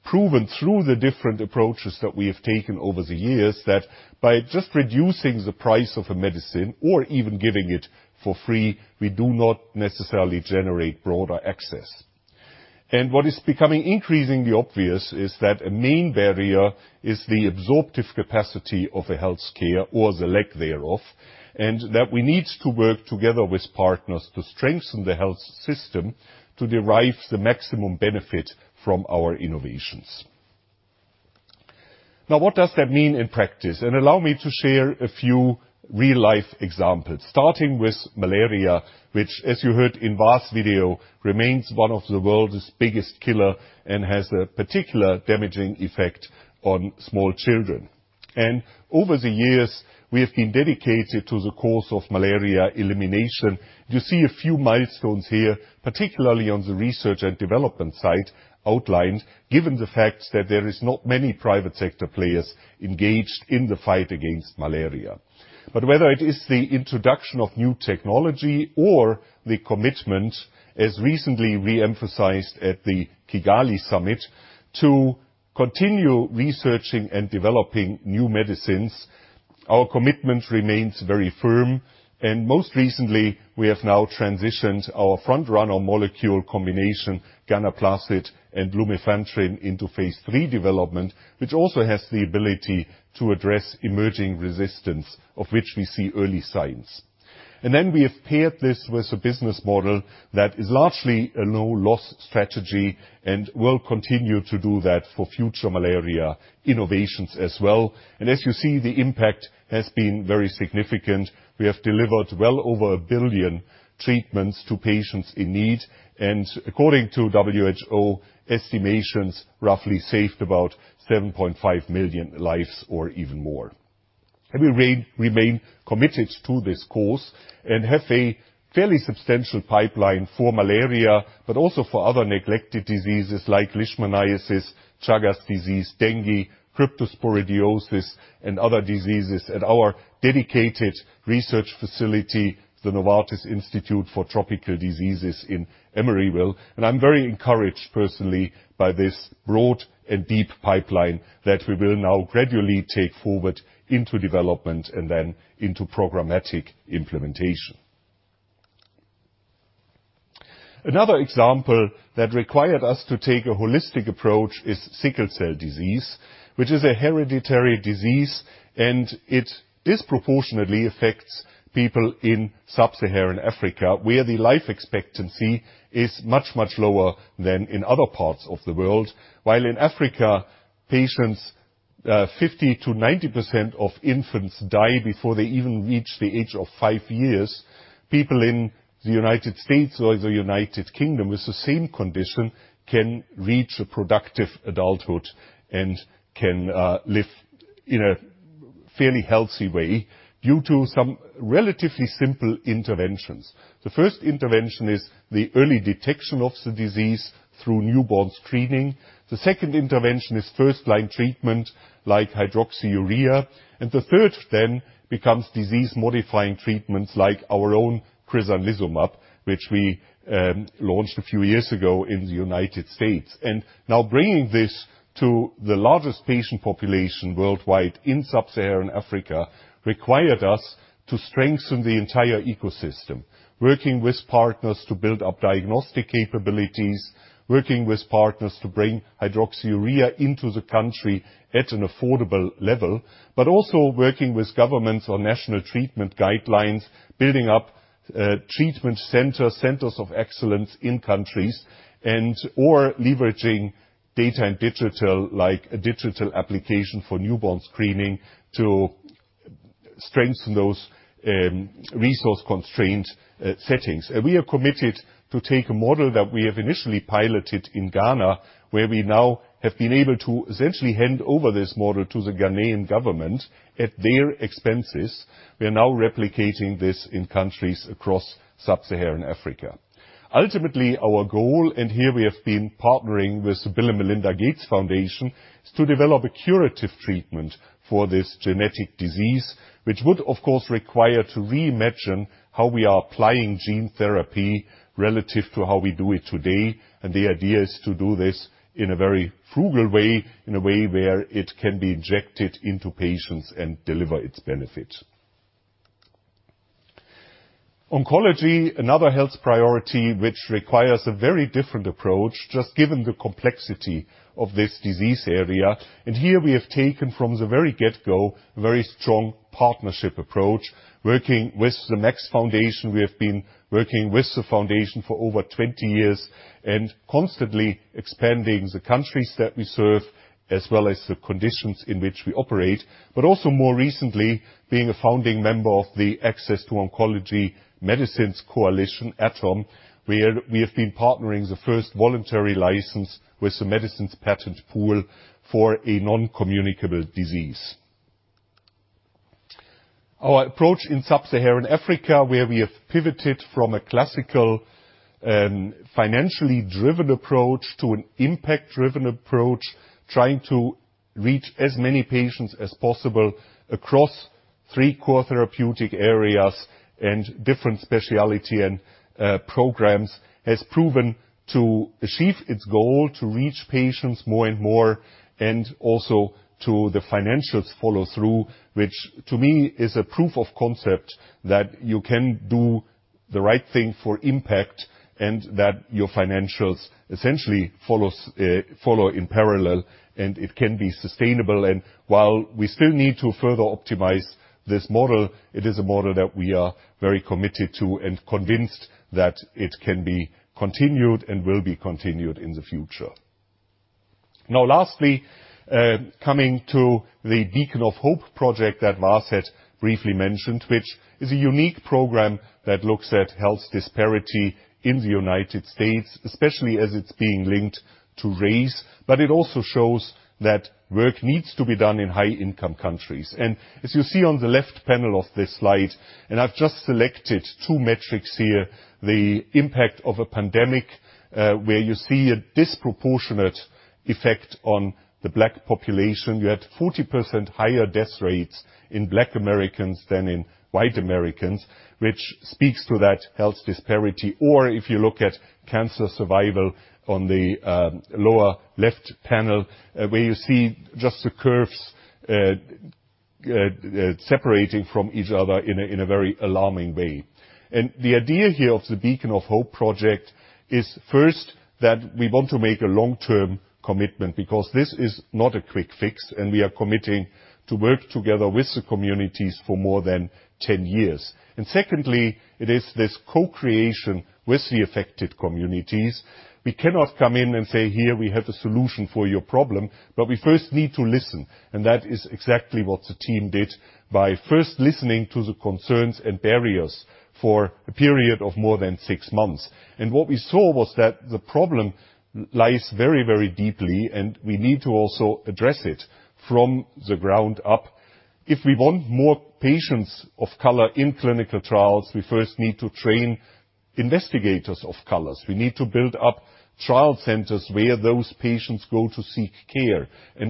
proven through the different approaches that we have taken over the years that by just reducing the price of a medicine or even giving it for free, we do not necessarily generate broader access. What is becoming increasingly obvious is that a main barrier is the absorptive capacity of a healthcare or the lack thereof, and that we need to work together with partners to strengthen the health system to derive the maximum benefit from our innovations. Now, what does that mean in practice? Allow me to share a few real-life examples, starting with malaria, which as you heard in Va's video, remains one of the world's biggest killer and has a particular damaging effect on small children. Over the years, we have been dedicated to the cause of malaria elimination. You see a few milestones here, particularly on the research and development side outlined, given the fact that there is not many private sector players engaged in the fight against malaria. Whether it is the introduction of new technology or the commitment, as recently reemphasized at the Kigali summit, to continue researching and developing new medicines, our commitment remains very firm. Most recently, we have now transitioned our frontrunner molecule combination, ganaplacide and lumefantrine, into phase 3 development, which also has the ability to address emerging resistance, of which we see early signs. We have paired this with a business model that is largely a no-loss strategy and will continue to do that for future malaria innovations as well. As you see, the impact has been very significant. We have delivered well over 1 billion treatments to patients in need, and according to WHO estimations, roughly saved about 7.5 million lives or even more. We remain committed to this cause and have a fairly substantial pipeline for malaria, but also for other neglected diseases like leishmaniasis, Chagas disease, dengue, cryptosporidiosis, and other diseases at our dedicated research facility, the Novartis Institute for Tropical Diseases in Emeryville. I'm very encouraged personally by this broad and deep pipeline that we will now gradually take forward into development and then into programmatic implementation. Another example that required us to take a holistic approach is sickle cell disease, which is a hereditary disease, and it disproportionately affects people in sub-Saharan Africa, where the life expectancy is much, much lower than in other parts of the world. While in Africa, patients, 50%-90% of infants die before they even reach the age of five years. People in the United States or the United Kingdom with the same condition can reach a productive adulthood and can live in a fairly healthy way due to some relatively simple interventions. The first intervention is the early detection of the disease through newborns screening. The second intervention is first-line treatment like hydroxyurea. The third then becomes disease-modifying treatments like our own crizanlizumab, which we launched a few years ago in the United States. Now bringing this to the largest patient population worldwide in sub-Saharan Africa required us to strengthen the entire ecosystem, working with partners to build up diagnostic capabilities, working with partners to bring hydroxyurea into the country at an affordable level, but also working with governments on national treatment guidelines, building up treatment centers of excellence in countries and/or leveraging data and digital like a digital application for newborn screening to strengthen those resource-constrained settings. We are committed to take a model that we have initially piloted in Ghana, where we now have been able to essentially hand over this model to the Ghanaian government at their expenses. We are now replicating this in countries across sub-Saharan Africa. Ultimately, our goal, here we have been partnering with the Bill & Melinda Gates Foundation, is to develop a curative treatment for this genetic disease, which would, of course, require to reimagine how we are applying gene therapy relative to how we do it today. The idea is to do this in a very frugal way, in a way where it can be injected into patients and deliver its benefit. Oncology, another health priority, which requires a very different approach just given the complexity of this disease area. Here we have taken from the very get-go, a very strong partnership approach, working with The Max Foundation. We have been working with the foundation for over 20 years and constantly expanding the countries that we serve, as well as the conditions in which we operate. Also more recently, being a founding member of the Access to Oncology Medicines Coalition, ATOM, where we have been partnering the first voluntary license with the Medicines Patent Pool for a non-communicable disease. Our approach in Sub-Saharan Africa, where we have pivoted from a classical, financially driven approach to an impact-driven approach, trying to reach as many patients as possible across three core therapeutic areas and different specialty and programs, has proven to achieve its goal to reach patients more and more and also to the financials follow through, which to me is a proof of concept that you can do the right thing for impact and that your financials essentially follow in parallel, and it can be sustainable. While we still need to further optimize this model, it is a model that we are very committed to and convinced that it can be continued and will be continued in the future. Lastly, coming to the Beacon of Hope project that Vas had briefly mentioned, which is a unique program that looks at health disparity in the United States, especially as it's being linked to race, but it also shows that work needs to be done in high-income countries. As you see on the left panel of this slide, and I've just selected two metrics here, the impact of a pandemic, where you see a disproportionate effect on the Black population. You had 40% higher death rates in Black Americans than in white Americans, which speaks to that health disparity. If you look at cancer survival on the lower left panel, where you see just the curves separating from each other in a very alarming way. The idea here of the Beacon of Hope project is first that we want to make a long-term commitment because this is not a quick fix, and we are committing to work together with the communities for more than 10 years. Secondly, it is this co-creation with the affected communities. We cannot come in and say, "Here, we have the solution for your problem," but we first need to listen, and that is exactly what the team did by first listening to the concerns and barriers for a period of more than six months. What we saw was that the problem lies very, very deeply, and we need to also address it from the ground up. If we want more patients of color in clinical trials, we first need to train investigators of colors. We need to build up trial centers where those patients go to seek care.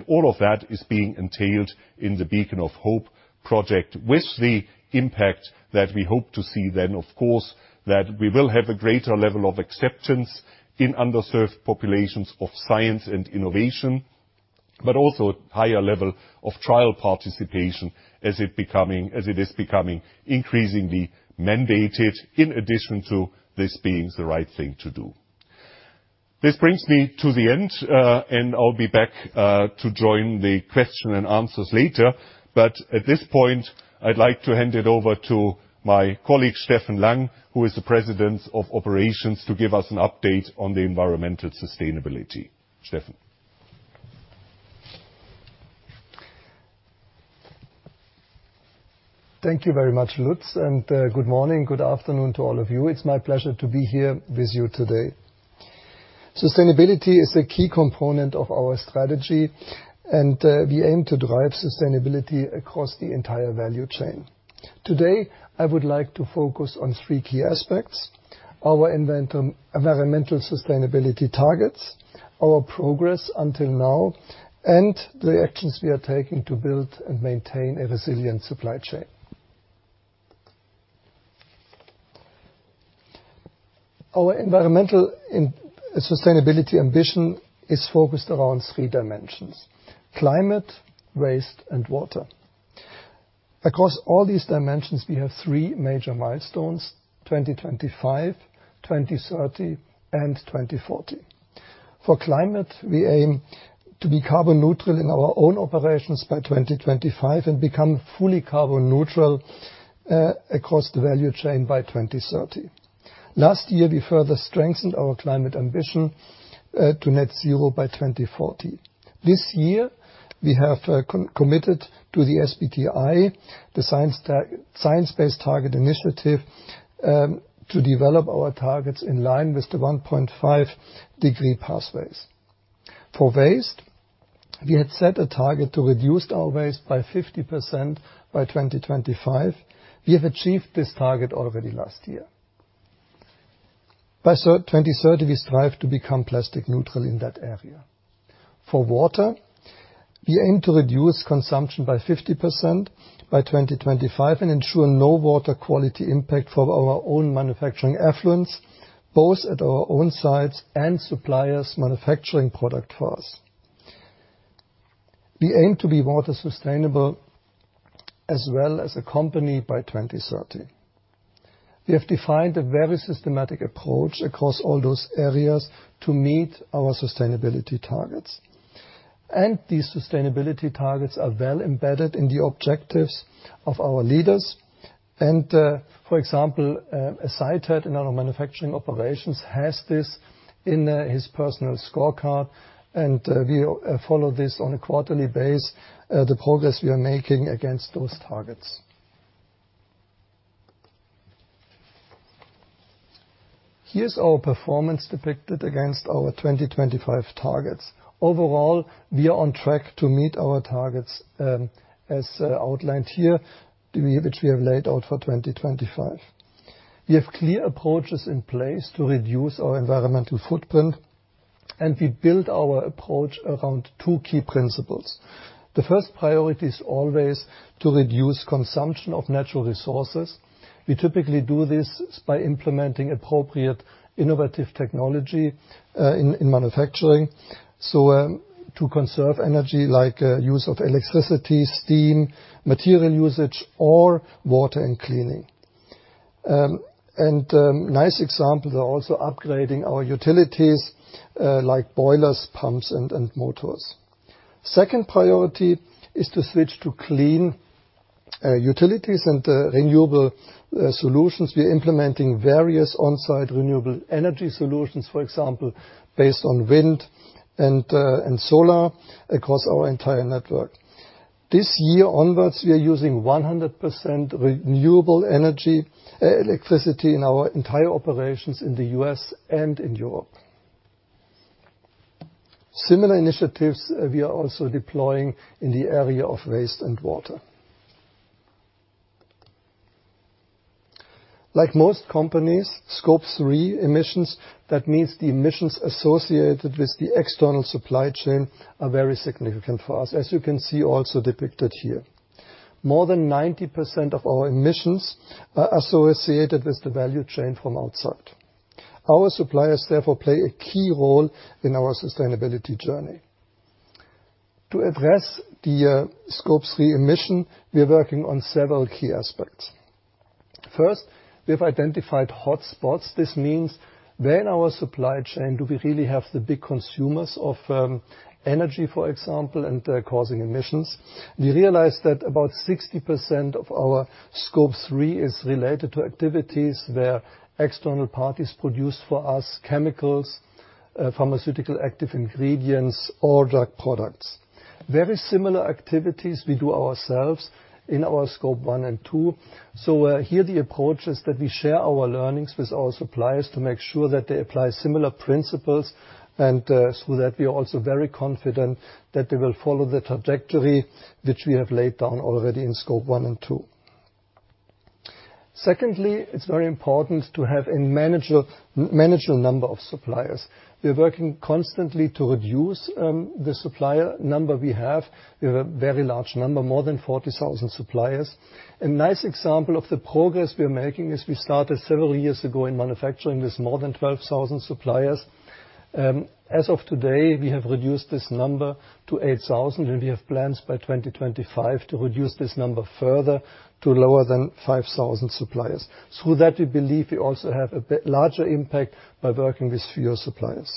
All of that is being entailed in the Beacon of Hope project with the impact that we hope to see then, of course, that we will have a greater level of acceptance in underserved populations of science and innovation, but also higher level of trial participation as it is becoming increasingly mandated in addition to this being the right thing to do. This brings me to the end, and I'll be back to join the question and answers later. At this point, I'd like to hand it over to my colleague, Steffen Lang, who is the President of Operations, to give us an update on the environmental sustainability. Steffen. Thank you very much, Lutz, good morning, good afternoon to all of you. It's my pleasure to be here with you today. Sustainability is a key component of our strategy, we aim to drive sustainability across the entire value chain. Today, I would like to focus on three key aspects: our environmental sustainability targets, our progress until now, and the actions we are taking to build and maintain a resilient supply chain. Our environmental and sustainability ambition is focused around three dimensions: climate, waste, and water. Across all these dimensions, we have three major milestones: 2025, 2030, and 2040. For climate, we aim to be carbon neutral in our own operations by 2025 and become fully carbon neutral across the value chain by 2030. Last year, we further strengthened our climate ambition to net zero by 2040. This year, we have committed to the SBTI, the Science Based Targets initiative, to develop our targets in line with the 1.5 degree pathways. For waste, we had set a target to reduce our waste by 50% by 2025. We have achieved this target already last year. By 2030, we strive to become plastic neutral in that area. For water, we aim to reduce consumption by 50% by 2025 and ensure no water quality impact from our own manufacturing effluents, both at our own sites and suppliers manufacturing product for us. We aim to be water sustainable as well as a company by 2030. We have defined a very systematic approach across all those areas to meet our sustainability targets. These sustainability targets are well embedded in the objectives of our leaders. For example, a site head in one of our manufacturing operations has this in his personal scorecard, and we follow this on a quarterly base, the progress we are making against those targets. Here's our performance depicted against our 2025 targets. Overall, we are on track to meet our targets, as outlined here, which we have laid out for 2025. We have clear approaches in place to reduce our environmental footprint, and we build our approach around two key principles. The first priority is always to reduce consumption of natural resources. We typically do this by implementing appropriate innovative technology in manufacturing, so to conserve energy like use of electricity, steam, material usage, or water and cleaning. Nice examples are also upgrading our utilities, like boilers, pumps and motors. Second priority is to switch to clean utilities and renewable solutions. We are implementing various on-site renewable energy solutions, for example, based on wind and solar across our entire network. This year onwards, we are using 100% renewable electricity in our entire operations in the US and in Europe. Similar initiatives we are also deploying in the area of waste and water. Like most companies, Scope 3 emissions, that means the emissions associated with the external supply chain, are very significant for us, as you can see also depicted here. More than 90% of our emissions are associated with the value chain from outside. Our suppliers, therefore, play a key role in our sustainability journey. To address the Scope 3 emission, we are working on several key aspects. First, we have identified hotspots. This means where in our supply chain do we really have the big consumers of energy, for example, and causing emissions. We realized that about 60% of our Scope 3 is related to activities where external parties produce for us chemicals, pharmaceutical active ingredients, or drug products. Very similar activities we do ourselves in our Scope 1 and 2. Here the approach is that we share our learnings with our suppliers to make sure that they apply similar principles, and so that we are also very confident that they will follow the trajectory which we have laid down already in Scope 1 and 2. Secondly, it's very important to have a manageable number of suppliers. We're working constantly to reduce the supplier number we have. We have a very large number, more than 40,000 suppliers. A nice example of the progress we are making is we started several years ago in manufacturing with more than 12,000 suppliers. as of today, we have reduced this number to 8,000, and we have plans by 2025 to reduce this number further to lower than 5,000 suppliers. Through that, we believe we also have a bit larger impact by working with fewer suppliers.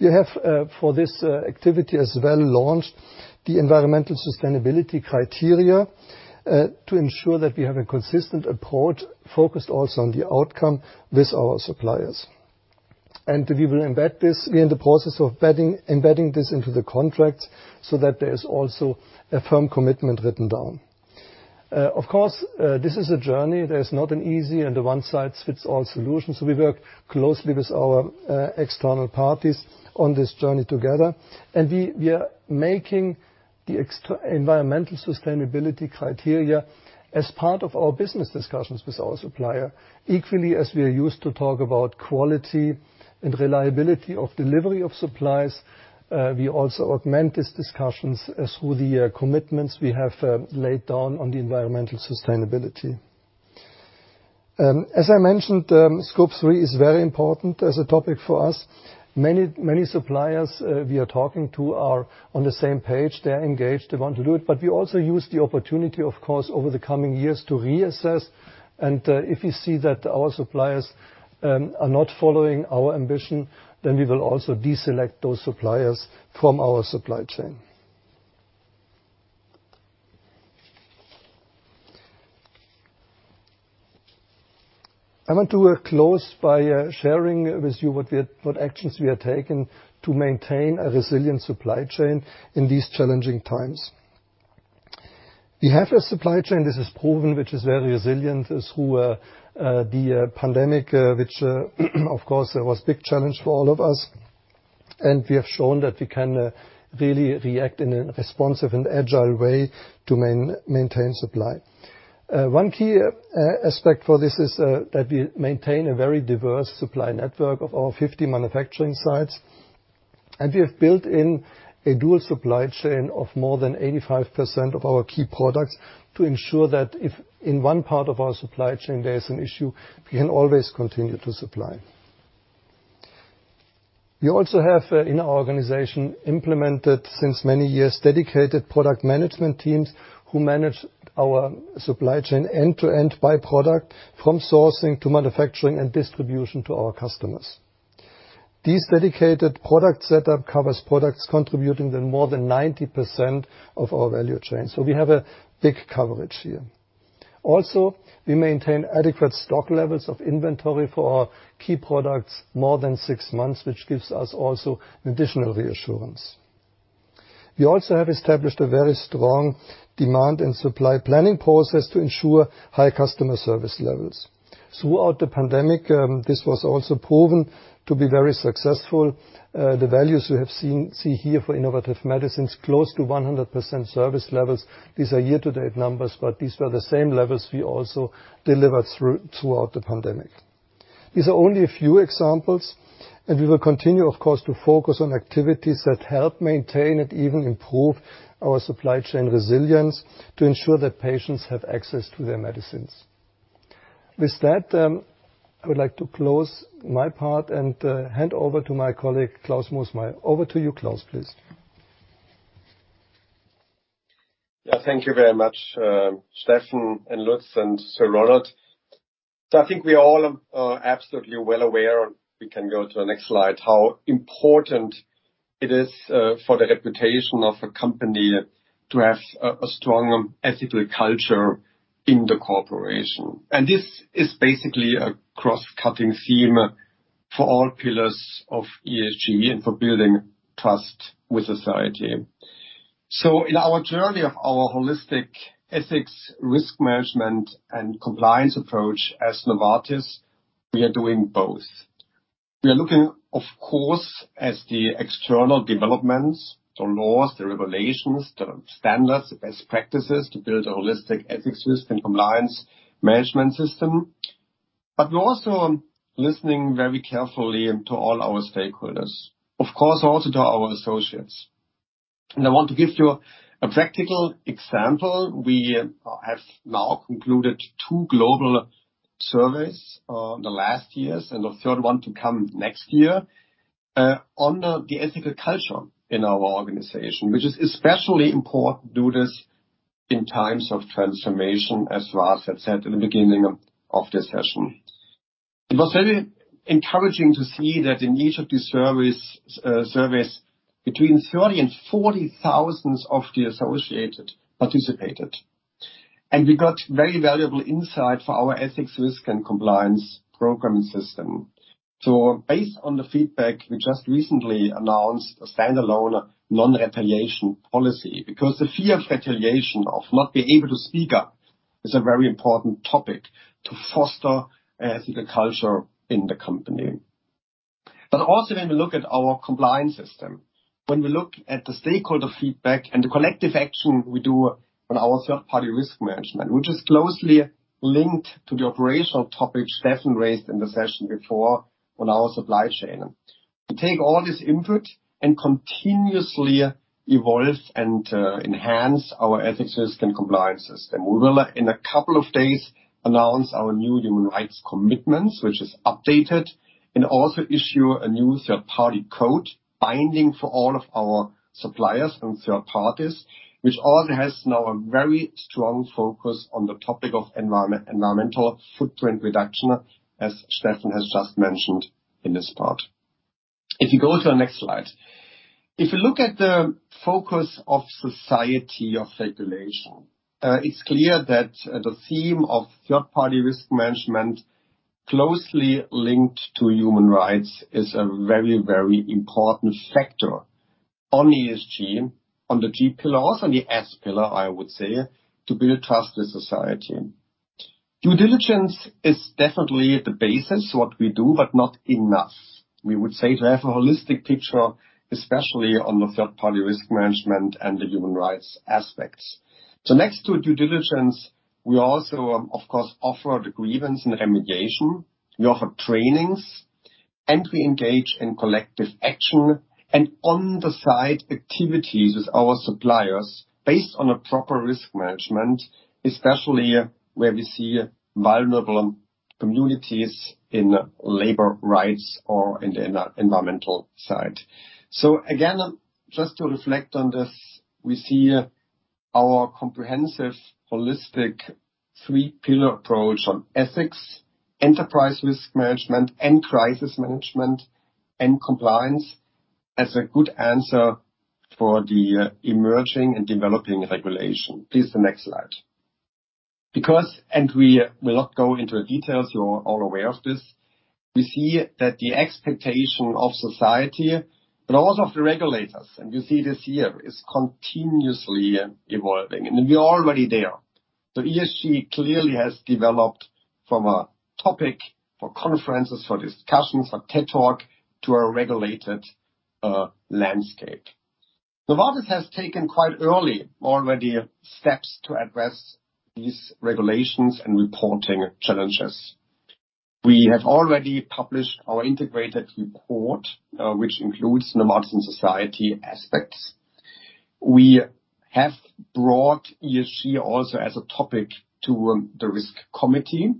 We have, for this, activity as well launched the environmental sustainability criteria, to ensure that we have a consistent approach focused also on the outcome with our suppliers. We will embed this. We are in the process of embedding this into the contract so that there is also a firm commitment written down. Of course, this is a journey. There's not an easy and a one-size-fits-all solution. We work closely with our external parties on this journey together. We are making the environmental sustainability criteria as part of our business discussions with our supplier. Equally, as we are used to talk about quality and reliability of delivery of supplies, we also augment these discussions through the commitments we have laid down on the environmental sustainability. As I mentioned, Scope 3 is very important as a topic for us. Many suppliers we are talking to are on the same page. They are engaged. They want to do it. We also use the opportunity, of course, over the coming years to reassess. If we see that our suppliers are not following our ambition, then we will also deselect those suppliers from our supply chain. I want to close by sharing with you what actions we are taking to maintain a resilient supply chain in these challenging times. We have a supply chain, this is proven, which is very resilient through the pandemic, which, of course, it was big challenge for all of us. We have shown that we can really react in a responsive and agile way to maintain supply. One key aspect for this is that we maintain a very diverse supply network of over 50 manufacturing sites, and we have built in a dual supply chain of more than 85% of our key products to ensure that if in one part of our supply chain there is an issue, we can always continue to supply. We also have in our organization implemented since many years dedicated product management teams who manage our supply chain end-to-end by product from sourcing to manufacturing and distribution to our customers. These dedicated product setup covers products contributing to more than 90% of our value chain. We have a big coverage here. We also maintain adequate stock levels of inventory for our key products more than 6 months, which gives us also additional reassurance. We also have established a very strong demand and supply planning process to ensure high customer service levels. Throughout the pandemic, this was also proven to be very successful. The values we see here for innovative medicines, close to 100% service levels. These are year-to-date numbers, but these were the same levels we also delivered throughout the pandemic. These are only a few examples, and we will continue, of course, to focus on activities that help maintain and even improve our supply chain resilience to ensure that patients have access to their medicines. With that, I would like to close my part and hand over to my colleague, Klaus Moosmayer. Over to you, Klaus, please. Yeah. Thank you very much, Steffen and Lutz and Sir Ronald. I think we all are absolutely well aware, we can go to the next slide, how important it is for the reputation of a company to have a strong ethical culture in the corporation. This is basically a cross-cutting theme for all pillars of ESG and for building trust with society. In our journey of our holistic ethics, risk management, and compliance approach as Novartis, we are doing both. We are looking, of course, as the external developments, the laws, the regulations, the standards, best practices to build a holistic ethics system, compliance management system. We're also listening very carefully to all our stakeholders. Of course, also to our associates. I want to give you a practical example. We have now concluded two global surveys, the last years, and a third one to come next year, on the ethical culture in our organization, which is especially important to do this in times of transformation, as Vas had said in the beginning of this session. It was very encouraging to see that in each of these surveys, between 30,000 and 40,000 of the associated participated. We got very valuable insight for our ethics risk and compliance program system. Based on the feedback, we just recently announced a standalone non-retaliation policy, because the fear of retaliation, of not being able to speak up, is a very important topic to foster ethical culture in the company. Also when we look at our compliance system, when we look at the stakeholder feedback and the collective action we do on our third-party risk management, which is closely linked to the operational topic Steffen raised in the session before on our supply chain. We take all this input and continuously evolve and enhance our ethics risk and compliance system. We will, in a couple of days, announce our new human rights commitments, which is updated, and also issue a new third-party code binding for all of our suppliers and third parties, which also has now a very strong focus on the topic of environmental footprint reduction, as Steffen has just mentioned in this part. If you go to the next slide. If you look at the focus of society of regulation, it's clear that the theme of third-party risk management, closely linked to human rights, is a very, very important factor on ESG, on the G pillar, also on the S pillar, I would say, to build trust with society. Due diligence is definitely the basis what we do, but not enough. We would say to have a holistic picture, especially on the third-party risk management and the human rights aspects. Next to due diligence, we also, of course, offer the grievance and remediation, we offer trainings, and we engage in collective action and on-the-side activities with our suppliers based on a proper risk management, especially where we see vulnerable communities in labor rights or in the environmental side. Again, just to reflect on this, we see our comprehensive holistic three-pillar approach on ethics, enterprise risk management, and crisis management and compliance as a good answer for the emerging and developing regulation. Please, the next slide. We will not go into the details, you're all aware of this, we see that the expectation of society, but also of the regulators, and you see this here, is continuously evolving, and we are already there. ESG clearly has developed from a topic for conferences, for discussions, for TED Talk, to a regulated landscape. Novartis has taken quite early already steps to address these regulations and reporting challenges. We have already published our integrated report, which includes Novartis and society aspects. We have brought ESG also as a topic to the risk committee.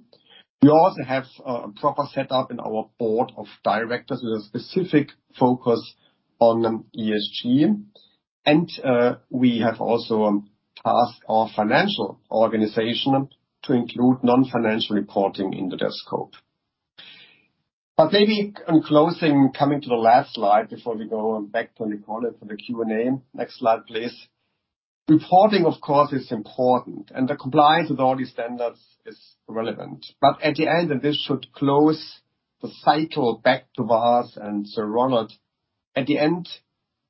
We also have a proper setup in our board of directors with a specific focus on ESG. We have also tasked our financial organization to include non-financial reporting into their scope. Maybe in closing, coming to the last slide before we go back to Nicole for the Q&A. Next slide, please. Reporting, of course, is important, and the compliance with all these standards is relevant. At the end, and this should close the cycle back to Vas and Sir Ronald, at the end,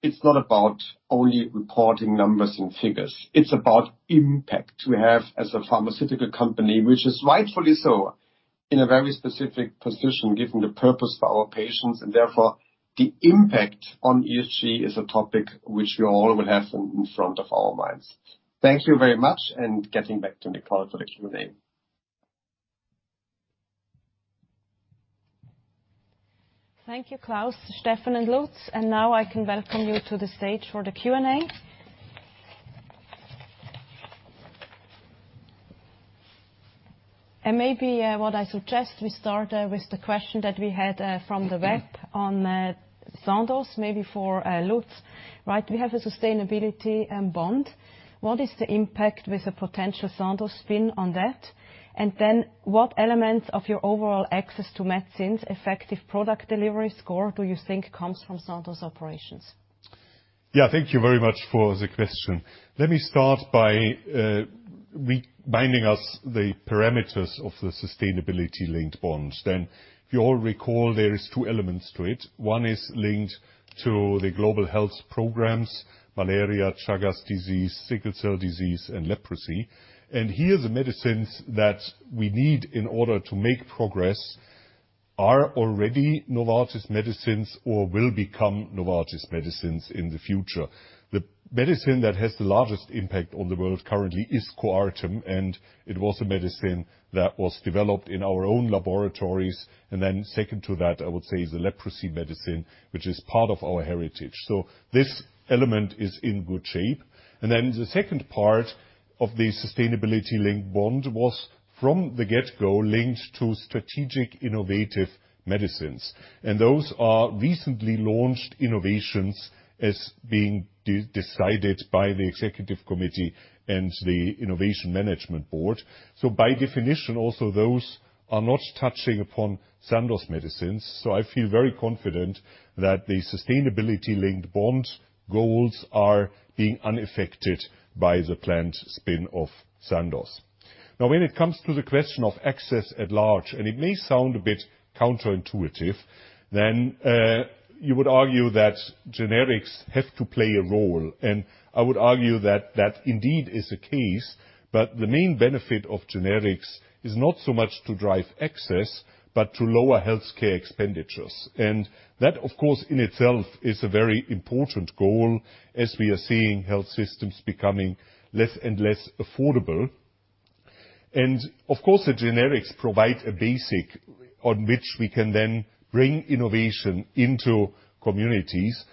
it's not about only reporting numbers and figures. It's about impact we have as a pharmaceutical company, which is rightfully so in a very specific position, given the purpose for our patients, and therefore, the impact on ESG is a topic which we all will have in front of our minds. Thank you very much. Getting back to Nicole for the Q&A. Thank you, Klaus, Steffen, and Lutz. Now I can welcome you to the stage for the Q&A. Maybe, what I suggest we start with the question that we had from the web on Sandoz, maybe for Lutz, right? We have a sustainability bond. What is the impact with a potential Sandoz spin on that? Then what elements of your overall access to medicines effective product delivery score do you think comes from Sandoz operations? Yeah. Thank you very much for the question. Let me start by reminding us the parameters of the sustainability-linked bonds. If you all recall, there is two elements to it. One is linked to the global health programs, malaria, Chagas disease, sickle cell disease, and leprosy. Here, the medicines that we need in order to make progress are already Novartis medicines or will become Novartis medicines in the future. The medicine that has the largest impact on the world currently is Coartem, and it was a medicine that was developed in our own laboratories. Second to that, I would say, is the leprosy medicine, which is part of our heritage. This element is in good shape. The second part of the sustainability-linked bond was from the get-go linked to strategic innovative medicines. Those are recently launched innovations as being de-decided by the executive committee and the innovation management board. By definition, also, those are not touching upon Sandoz medicines. I feel very confident that the sustainability-linked bond goals are being unaffected by the planned spin of Sandoz. When it comes to the question of access at large, and it may sound a bit counterintuitive, then, you would argue that generics have to play a role, and I would argue that that indeed is the case. The main benefit of generics is not so much to drive access, but to lower healthcare expenditures. That, of course, in itself is a very important goal as we are seeing health systems becoming less and less affordable. Of course, the generics provide a basic on which we can then bring innovation into communities.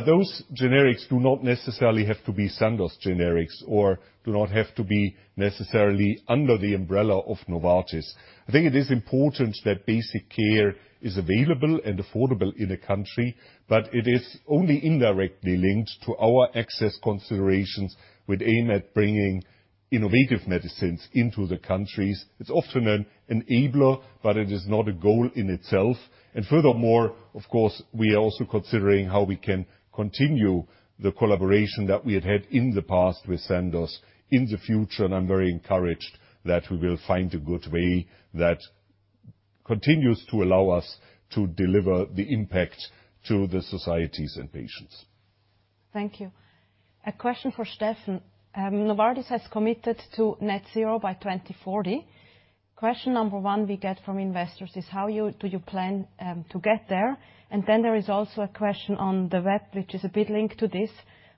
Those generics do not necessarily have to be Sandoz generics or do not have to be necessarily under the umbrella of Novartis. I think it is important that basic care is available and affordable in a country, but it is only indirectly linked to our access considerations with aim at bringing innovative medicines into the countries. It's often an enabler, but it is not a goal in itself. Furthermore, of course, we are also considering how we can continue the collaboration that we had had in the past with Sandoz in the future. I'm very encouraged that we will find a good way that continues to allow us to deliver the impact to the societies and patients. Thank you. A question for Steffen. Novartis has committed to net zero by 2040. Question number 1 we get from investors is how you plan to get there? There is also a question on the web, which is a bit linked to this.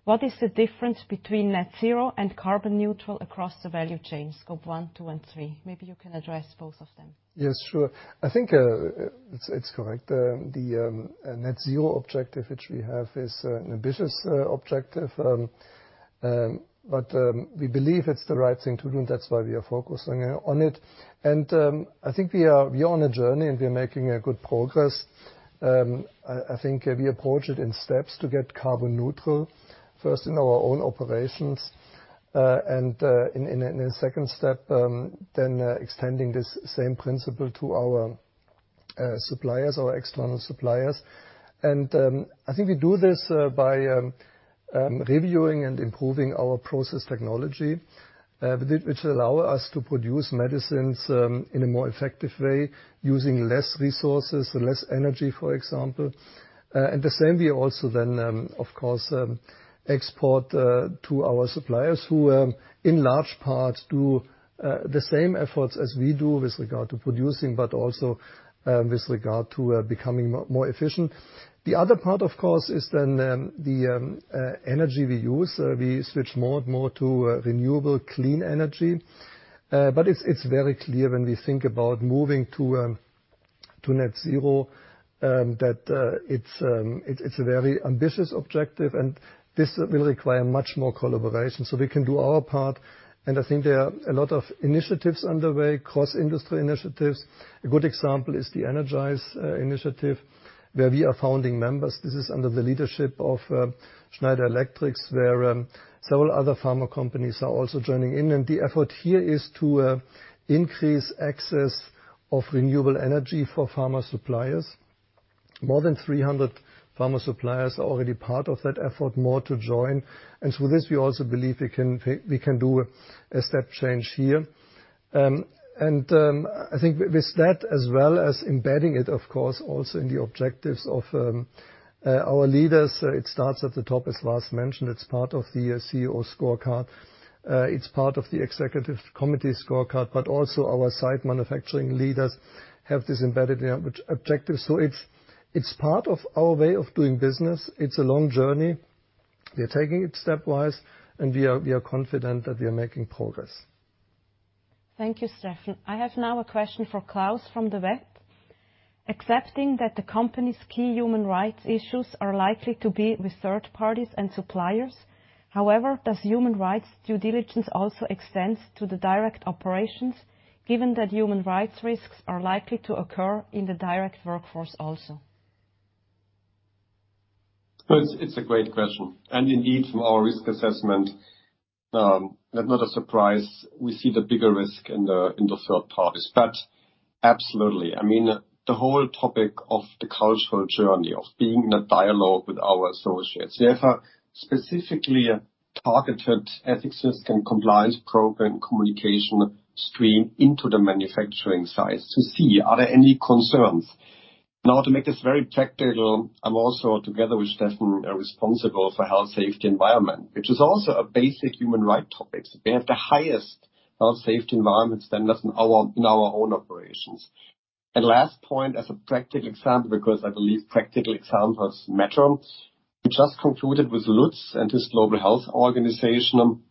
What is the difference between net zero and carbon neutral across the value chain, Scope 1, 2, and 3? Maybe you can address both of them. Yes. Sure. I think it's correct. The net zero objective which we have is an ambitious objective. We believe it's the right thing to do. That's why we are focusing on it. I think we are on a journey, and we're making a good progress. I think we approach it in steps to get carbon neutral, first in our own operations and in a second step, then extending this same principle to our suppliers or external suppliers. I think we do this by reviewing and improving our process technology, which allow us to produce medicines in a more effective way using less resources and less energy, for example. The same we also then, of course, export to our suppliers who, in large part do the same efforts as we do with regard to producing, but also with regard to becoming more, more efficient. The other part, of course, is then the energy we use. We switch more and more to renewable clean energy. It's very clear when we think about moving to net zero, that it's a very ambitious objective, and this will require much more collaboration so we can do our part. I think there are a lot of initiatives underway, cross-industry initiatives. A good example is the Energize initiative, where we are founding members. This is under the leadership of Schneider Electric, where several other pharma companies are also joining in. The effort here is to increase access of renewable energy for pharma suppliers. More than 300 pharma suppliers are part of that effort, more to join. Through this we also believe we can do a step change here. I think with that, as well as embedding it, of course, also in the objectives of our leaders, it starts at the top, as Lars mentioned. It's part of the CEO scorecard. It's part of the executive committee scorecard, but also our site manufacturing leaders have this embedded in their objectives. It's part of our way of doing business. It's a long journey. We are taking it stepwise, and we are confident that we are making progress. Thank you, Steffen. I have now a question for Klaus from the web. Accepting that the company's key human rights issues are likely to be with third parties and suppliers, however, does human rights due diligence also extend to the direct operations, given that human rights risks are likely to occur in the direct workforce also? It's a great question. Indeed, from our risk assessment, not a surprise, we see the bigger risk in the third parties. Absolutely. I mean, the whole topic of the cultural journey of being in a dialogue with our associates. We have a specifically targeted ethics system compliance program communication stream into the manufacturing sites to see are there any concerns. Now to make this very practical, I'm also together with Steffen, responsible for health, safety environment, which is also a basic human right topic. We have the highest health safety environment standards in our own operations. Last point as a practical example, because I believe practical examples matter. We just concluded with Lutz and his global health organization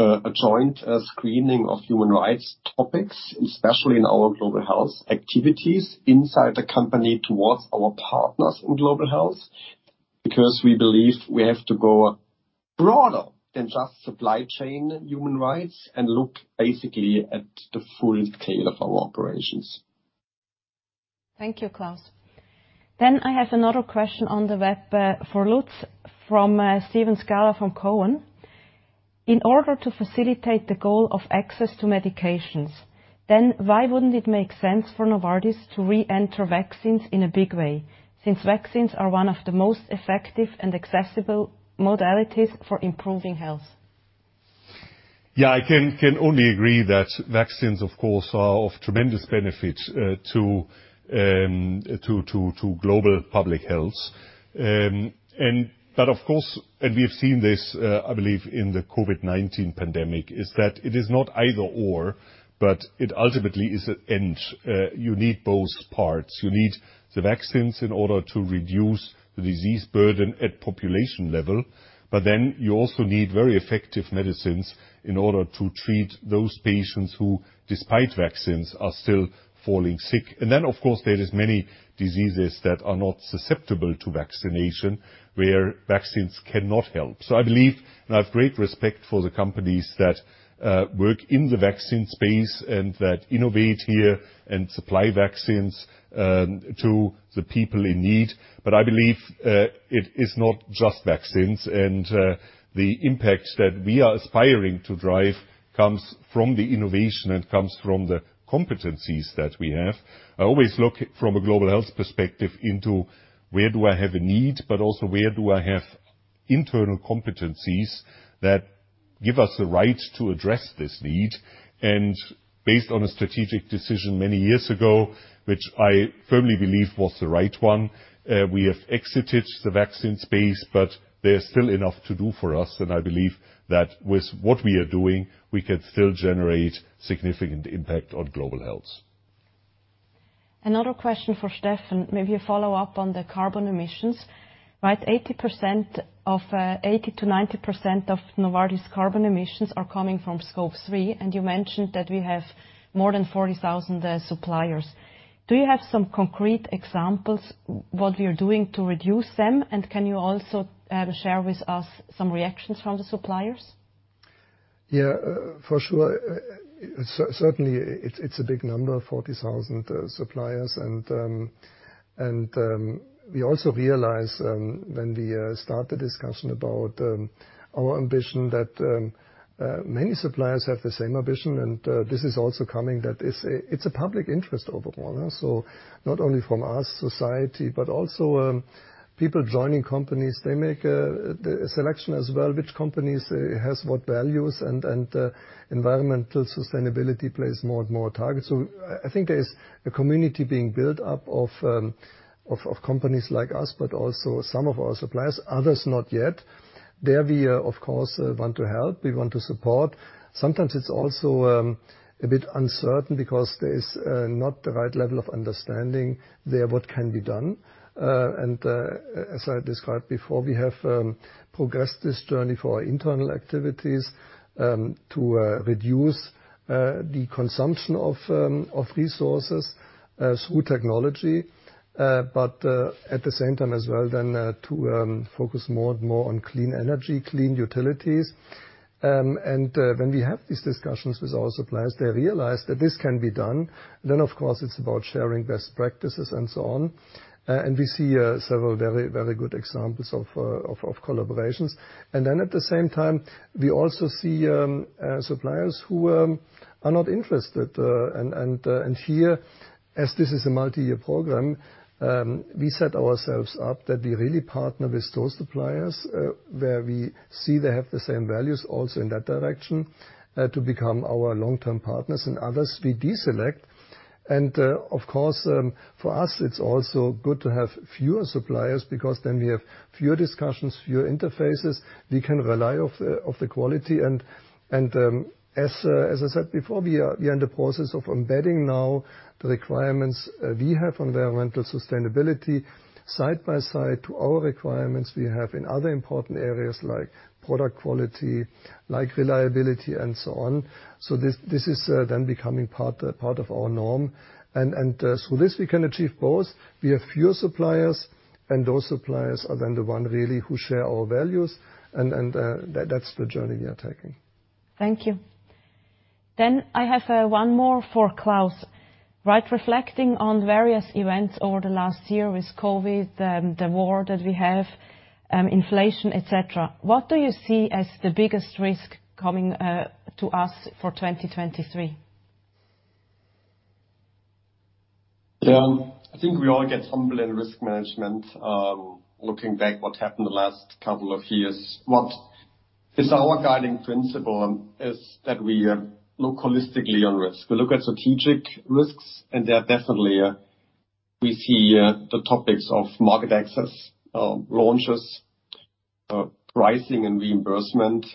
a joint screening of human rights topics, especially in our global health activities inside the company towards our partners in global health, because we believe we have to go broader than just supply chain human rights and look basically at the full scale of our operations. Thank you, Klaus. I have another question on the web, for Lutz from Stephen Scala from Cowen. In order to facilitate the goal of access to medications, then why wouldn't it make sense for Novartis to re-enter vaccines in a big way, since vaccines are one of the most effective and accessible modalities for improving health? I can only agree that vaccines, of course, are of tremendous benefit to global public health. But of course, we have seen this, I believe, in the COVID-19 pandemic, is that it is not either/or, but it ultimately is and you need both parts. You need the vaccines in order to reduce the disease burden at population level, you also need very effective medicines in order to treat those patients who, despite vaccines, are still falling sick. Of course, there is many diseases that are not susceptible to vaccination, where vaccines cannot help. I believe and I have great respect for the companies that work in the vaccine space and that innovate here and supply vaccines to the people in need. I believe it is not just vaccines. The impact that we are aspiring to drive comes from the innovation and comes from the competencies that we have. I always look from a global health perspective into where do I have a need, but also where do I have internal competencies that give us the right to address this need? Based on a strategic decision many years ago, which I firmly believe was the right one, we have exited the vaccine space, but there's still enough to do for us. I believe that with what we are doing, we can still generate significant impact on global health. Another question for Steffen, maybe a follow-up on the carbon emissions. Right, 80% of 80%-90% of Novartis carbon emissions are coming from Scope 3, and you mentioned that we have more than 40,000 suppliers. Do you have some concrete examples what we are doing to reduce them? Can you also share with us some reactions from the suppliers? Yeah, for sure. Certainly it's a big number, 40,000 suppliers. We also realize when we start the discussion about our ambition that many suppliers have the same ambition, and this is also coming that it's a public interest overall. Not only from us, society, but also people joining companies, they make a selection as well, which companies has what values and environmental sustainability plays more and more target. I think there is a community being built up of companies like us, but also some of our suppliers, others not yet. There we of course, want to help, we want to support. Sometimes it's also a bit uncertain because there is not the right level of understanding there, what can be done. As I described before, we have progressed this journey for our internal activities to reduce the consumption of resources through technology. At the same time as well then to focus more and more on clean energy, clean utilities. When we have these discussions with our suppliers, they realize that this can be done. Of course, it's about sharing best practices and so on. We see several very, very good examples of collaborations. At the same time, we also see suppliers who are not interested. Here, as this is a multiyear program, we set ourselves up that we really partner with those suppliers, where we see they have the same values also in that direction, to become our long-term partners. Others we deselect. Of course, for us it's also good to have fewer suppliers because then we have fewer discussions, fewer interfaces. We can rely of the quality and, as I said before, we are in the process of embedding now the requirements we have on environmental sustainability side by side to our requirements we have in other important areas like product quality, like reliability and so on. This is then becoming part of our norm. This we can achieve both. We have fewer suppliers, and those suppliers are then the one really who share our values. That's the journey we are taking. Thank you. I have one more for Klaus. Right, reflecting on various events over the last year with COVID, the war that we have, inflation, et cetera, what do you see as the biggest risk coming to us for 2023? Yeah. I think we all get humbled in risk management, looking back what happened the last couple of years. What is our guiding principle is that we look holistically on risks. We look at strategic risks, and there definitely we see the topics of market access, of launches, of pricing and reimbursement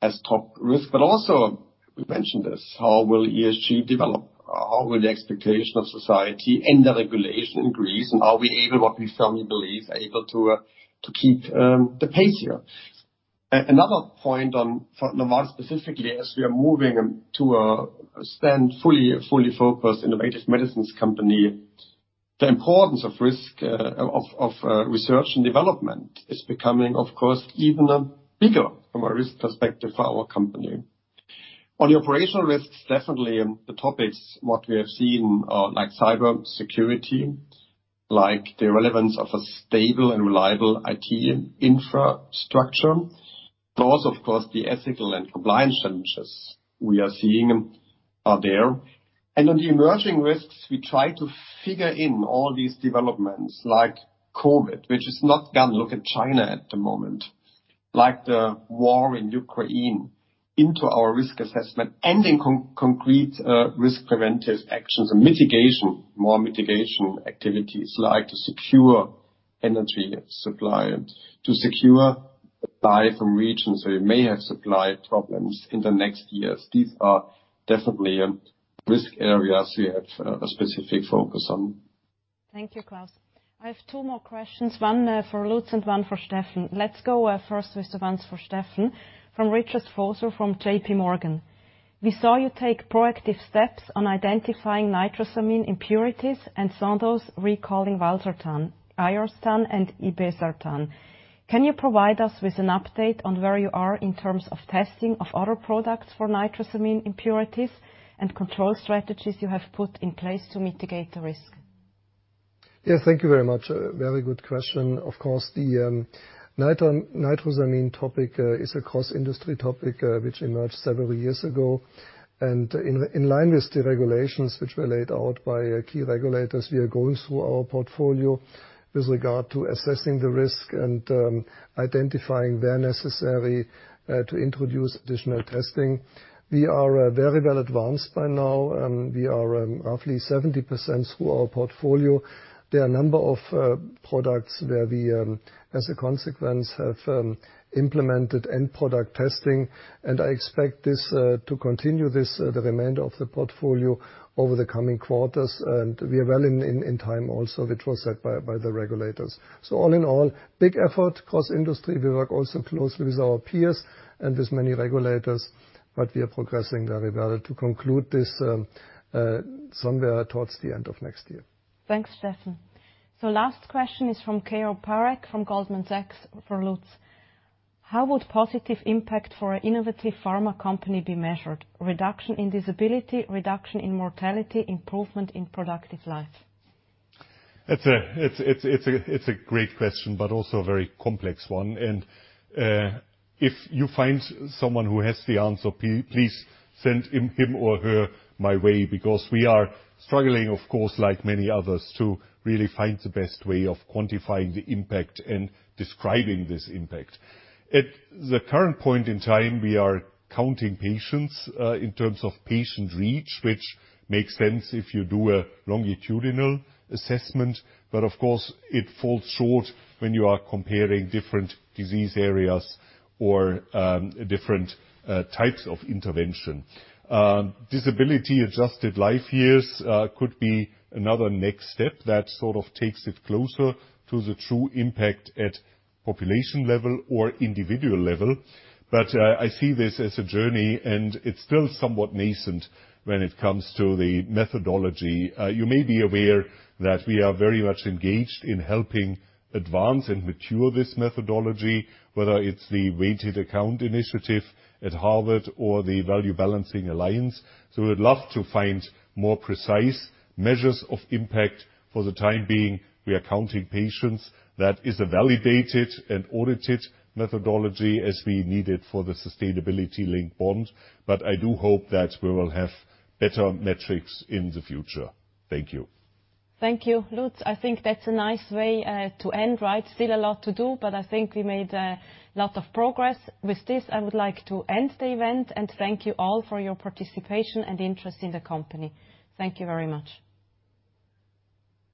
as top risk. Also we mentioned this, how will ESG develop? How will the expectation of society and the regulation increase? Are we able, what we firmly believe, are able to keep the pace here? Another point on, for Novartis specifically as we are moving to a stand, fully focused innovative medicines company, the importance of risk, of research and development is becoming, of course, even bigger from a risk perspective for our company. On the operational risks, definitely the topics what we have seen, like cybersecurity, like the relevance of a stable and reliable IT infrastructure. Those, of course, the ethical and compliance challenges we are seeing are there. On the emerging risks, we try to figure in all these developments like COVID, which is not gone. Look at China at the moment. Like the war in Ukraine, into our risk assessment and in concrete risk preventive actions and mitigation, more mitigation activities like to secure energy supply, to secure buy from regions where we may have supply problems in the next years. These are definitely risk areas we have a specific focus on. Thank you, Klaus. I have two more questions, one for Lutz and one for Steffen. Let's go first with the ones for Steffen from Richard Vosser from J.P. Morgan. We saw you take proactive steps on identifying nitrosamine impurities and Sandoz recalling valsartan, irbesartan, and olmesartan. Can you provide us with an update on where you are in terms of testing of other products for nitrosamine impurities and control strategies you have put in place to mitigate the risk? Yeah. Thank you very much. A very good question. Of course, the nitrosamine topic is a cross-industry topic which emerged several years ago. In line with the regulations which were laid out by key regulators, we are going through our portfolio with regard to assessing the risk and identifying where necessary to introduce additional testing. We are very well advanced by now. We are roughly 70% through our portfolio. There are a number of products where we, as a consequence, have implemented end product testing. I expect this to continue this the remainder of the portfolio over the coming quarters. We are well in time also, which was set by the regulators. All in all, big effort across industry. We work also closely with our peers and with many regulators, but we are progressing very well to conclude this, somewhere towards the end of next year. Thanks, Steffen. Last question is from Keyur Parekh from Goldman Sachs for Lutz. How would positive impact for an innovative pharma company be measured? Reduction in disability? Reduction in mortality? Improvement in productive life? It's a great question, but also a very complex one. If you find someone who has the answer, please send him or her my way, because we are struggling, of course, like many others, to really find the best way of quantifying the impact and describing this impact. At the current point in time, we are counting patients in terms of patient reach, which makes sense if you do a longitudinal assessment. Of course, it falls short when you are comparing different disease areas or different types of intervention. Disability-adjusted life years could be another next step that sort of takes it closer to the true impact at population level or individual level. I see this as a journey, and it's still somewhat nascent when it comes to the methodology. You may be aware that we are very much engaged in helping advance and mature this methodology, whether it's the Weighted Account Initiative at Harvard or the Value Balancing Alliance. We'd love to find more precise measures of impact. For the time being, we are counting patients. That is a validated and audited methodology as we need it for the sustainability-linked bond. I do hope that we will have better metrics in the future. Thank you. Thank you, Lutz. I think that's a nice way to end, right? Still a lot to do, but I think we made a lot of progress. With this, I would like to end the event and thank you all for your participation and interest in the company. Thank you very much.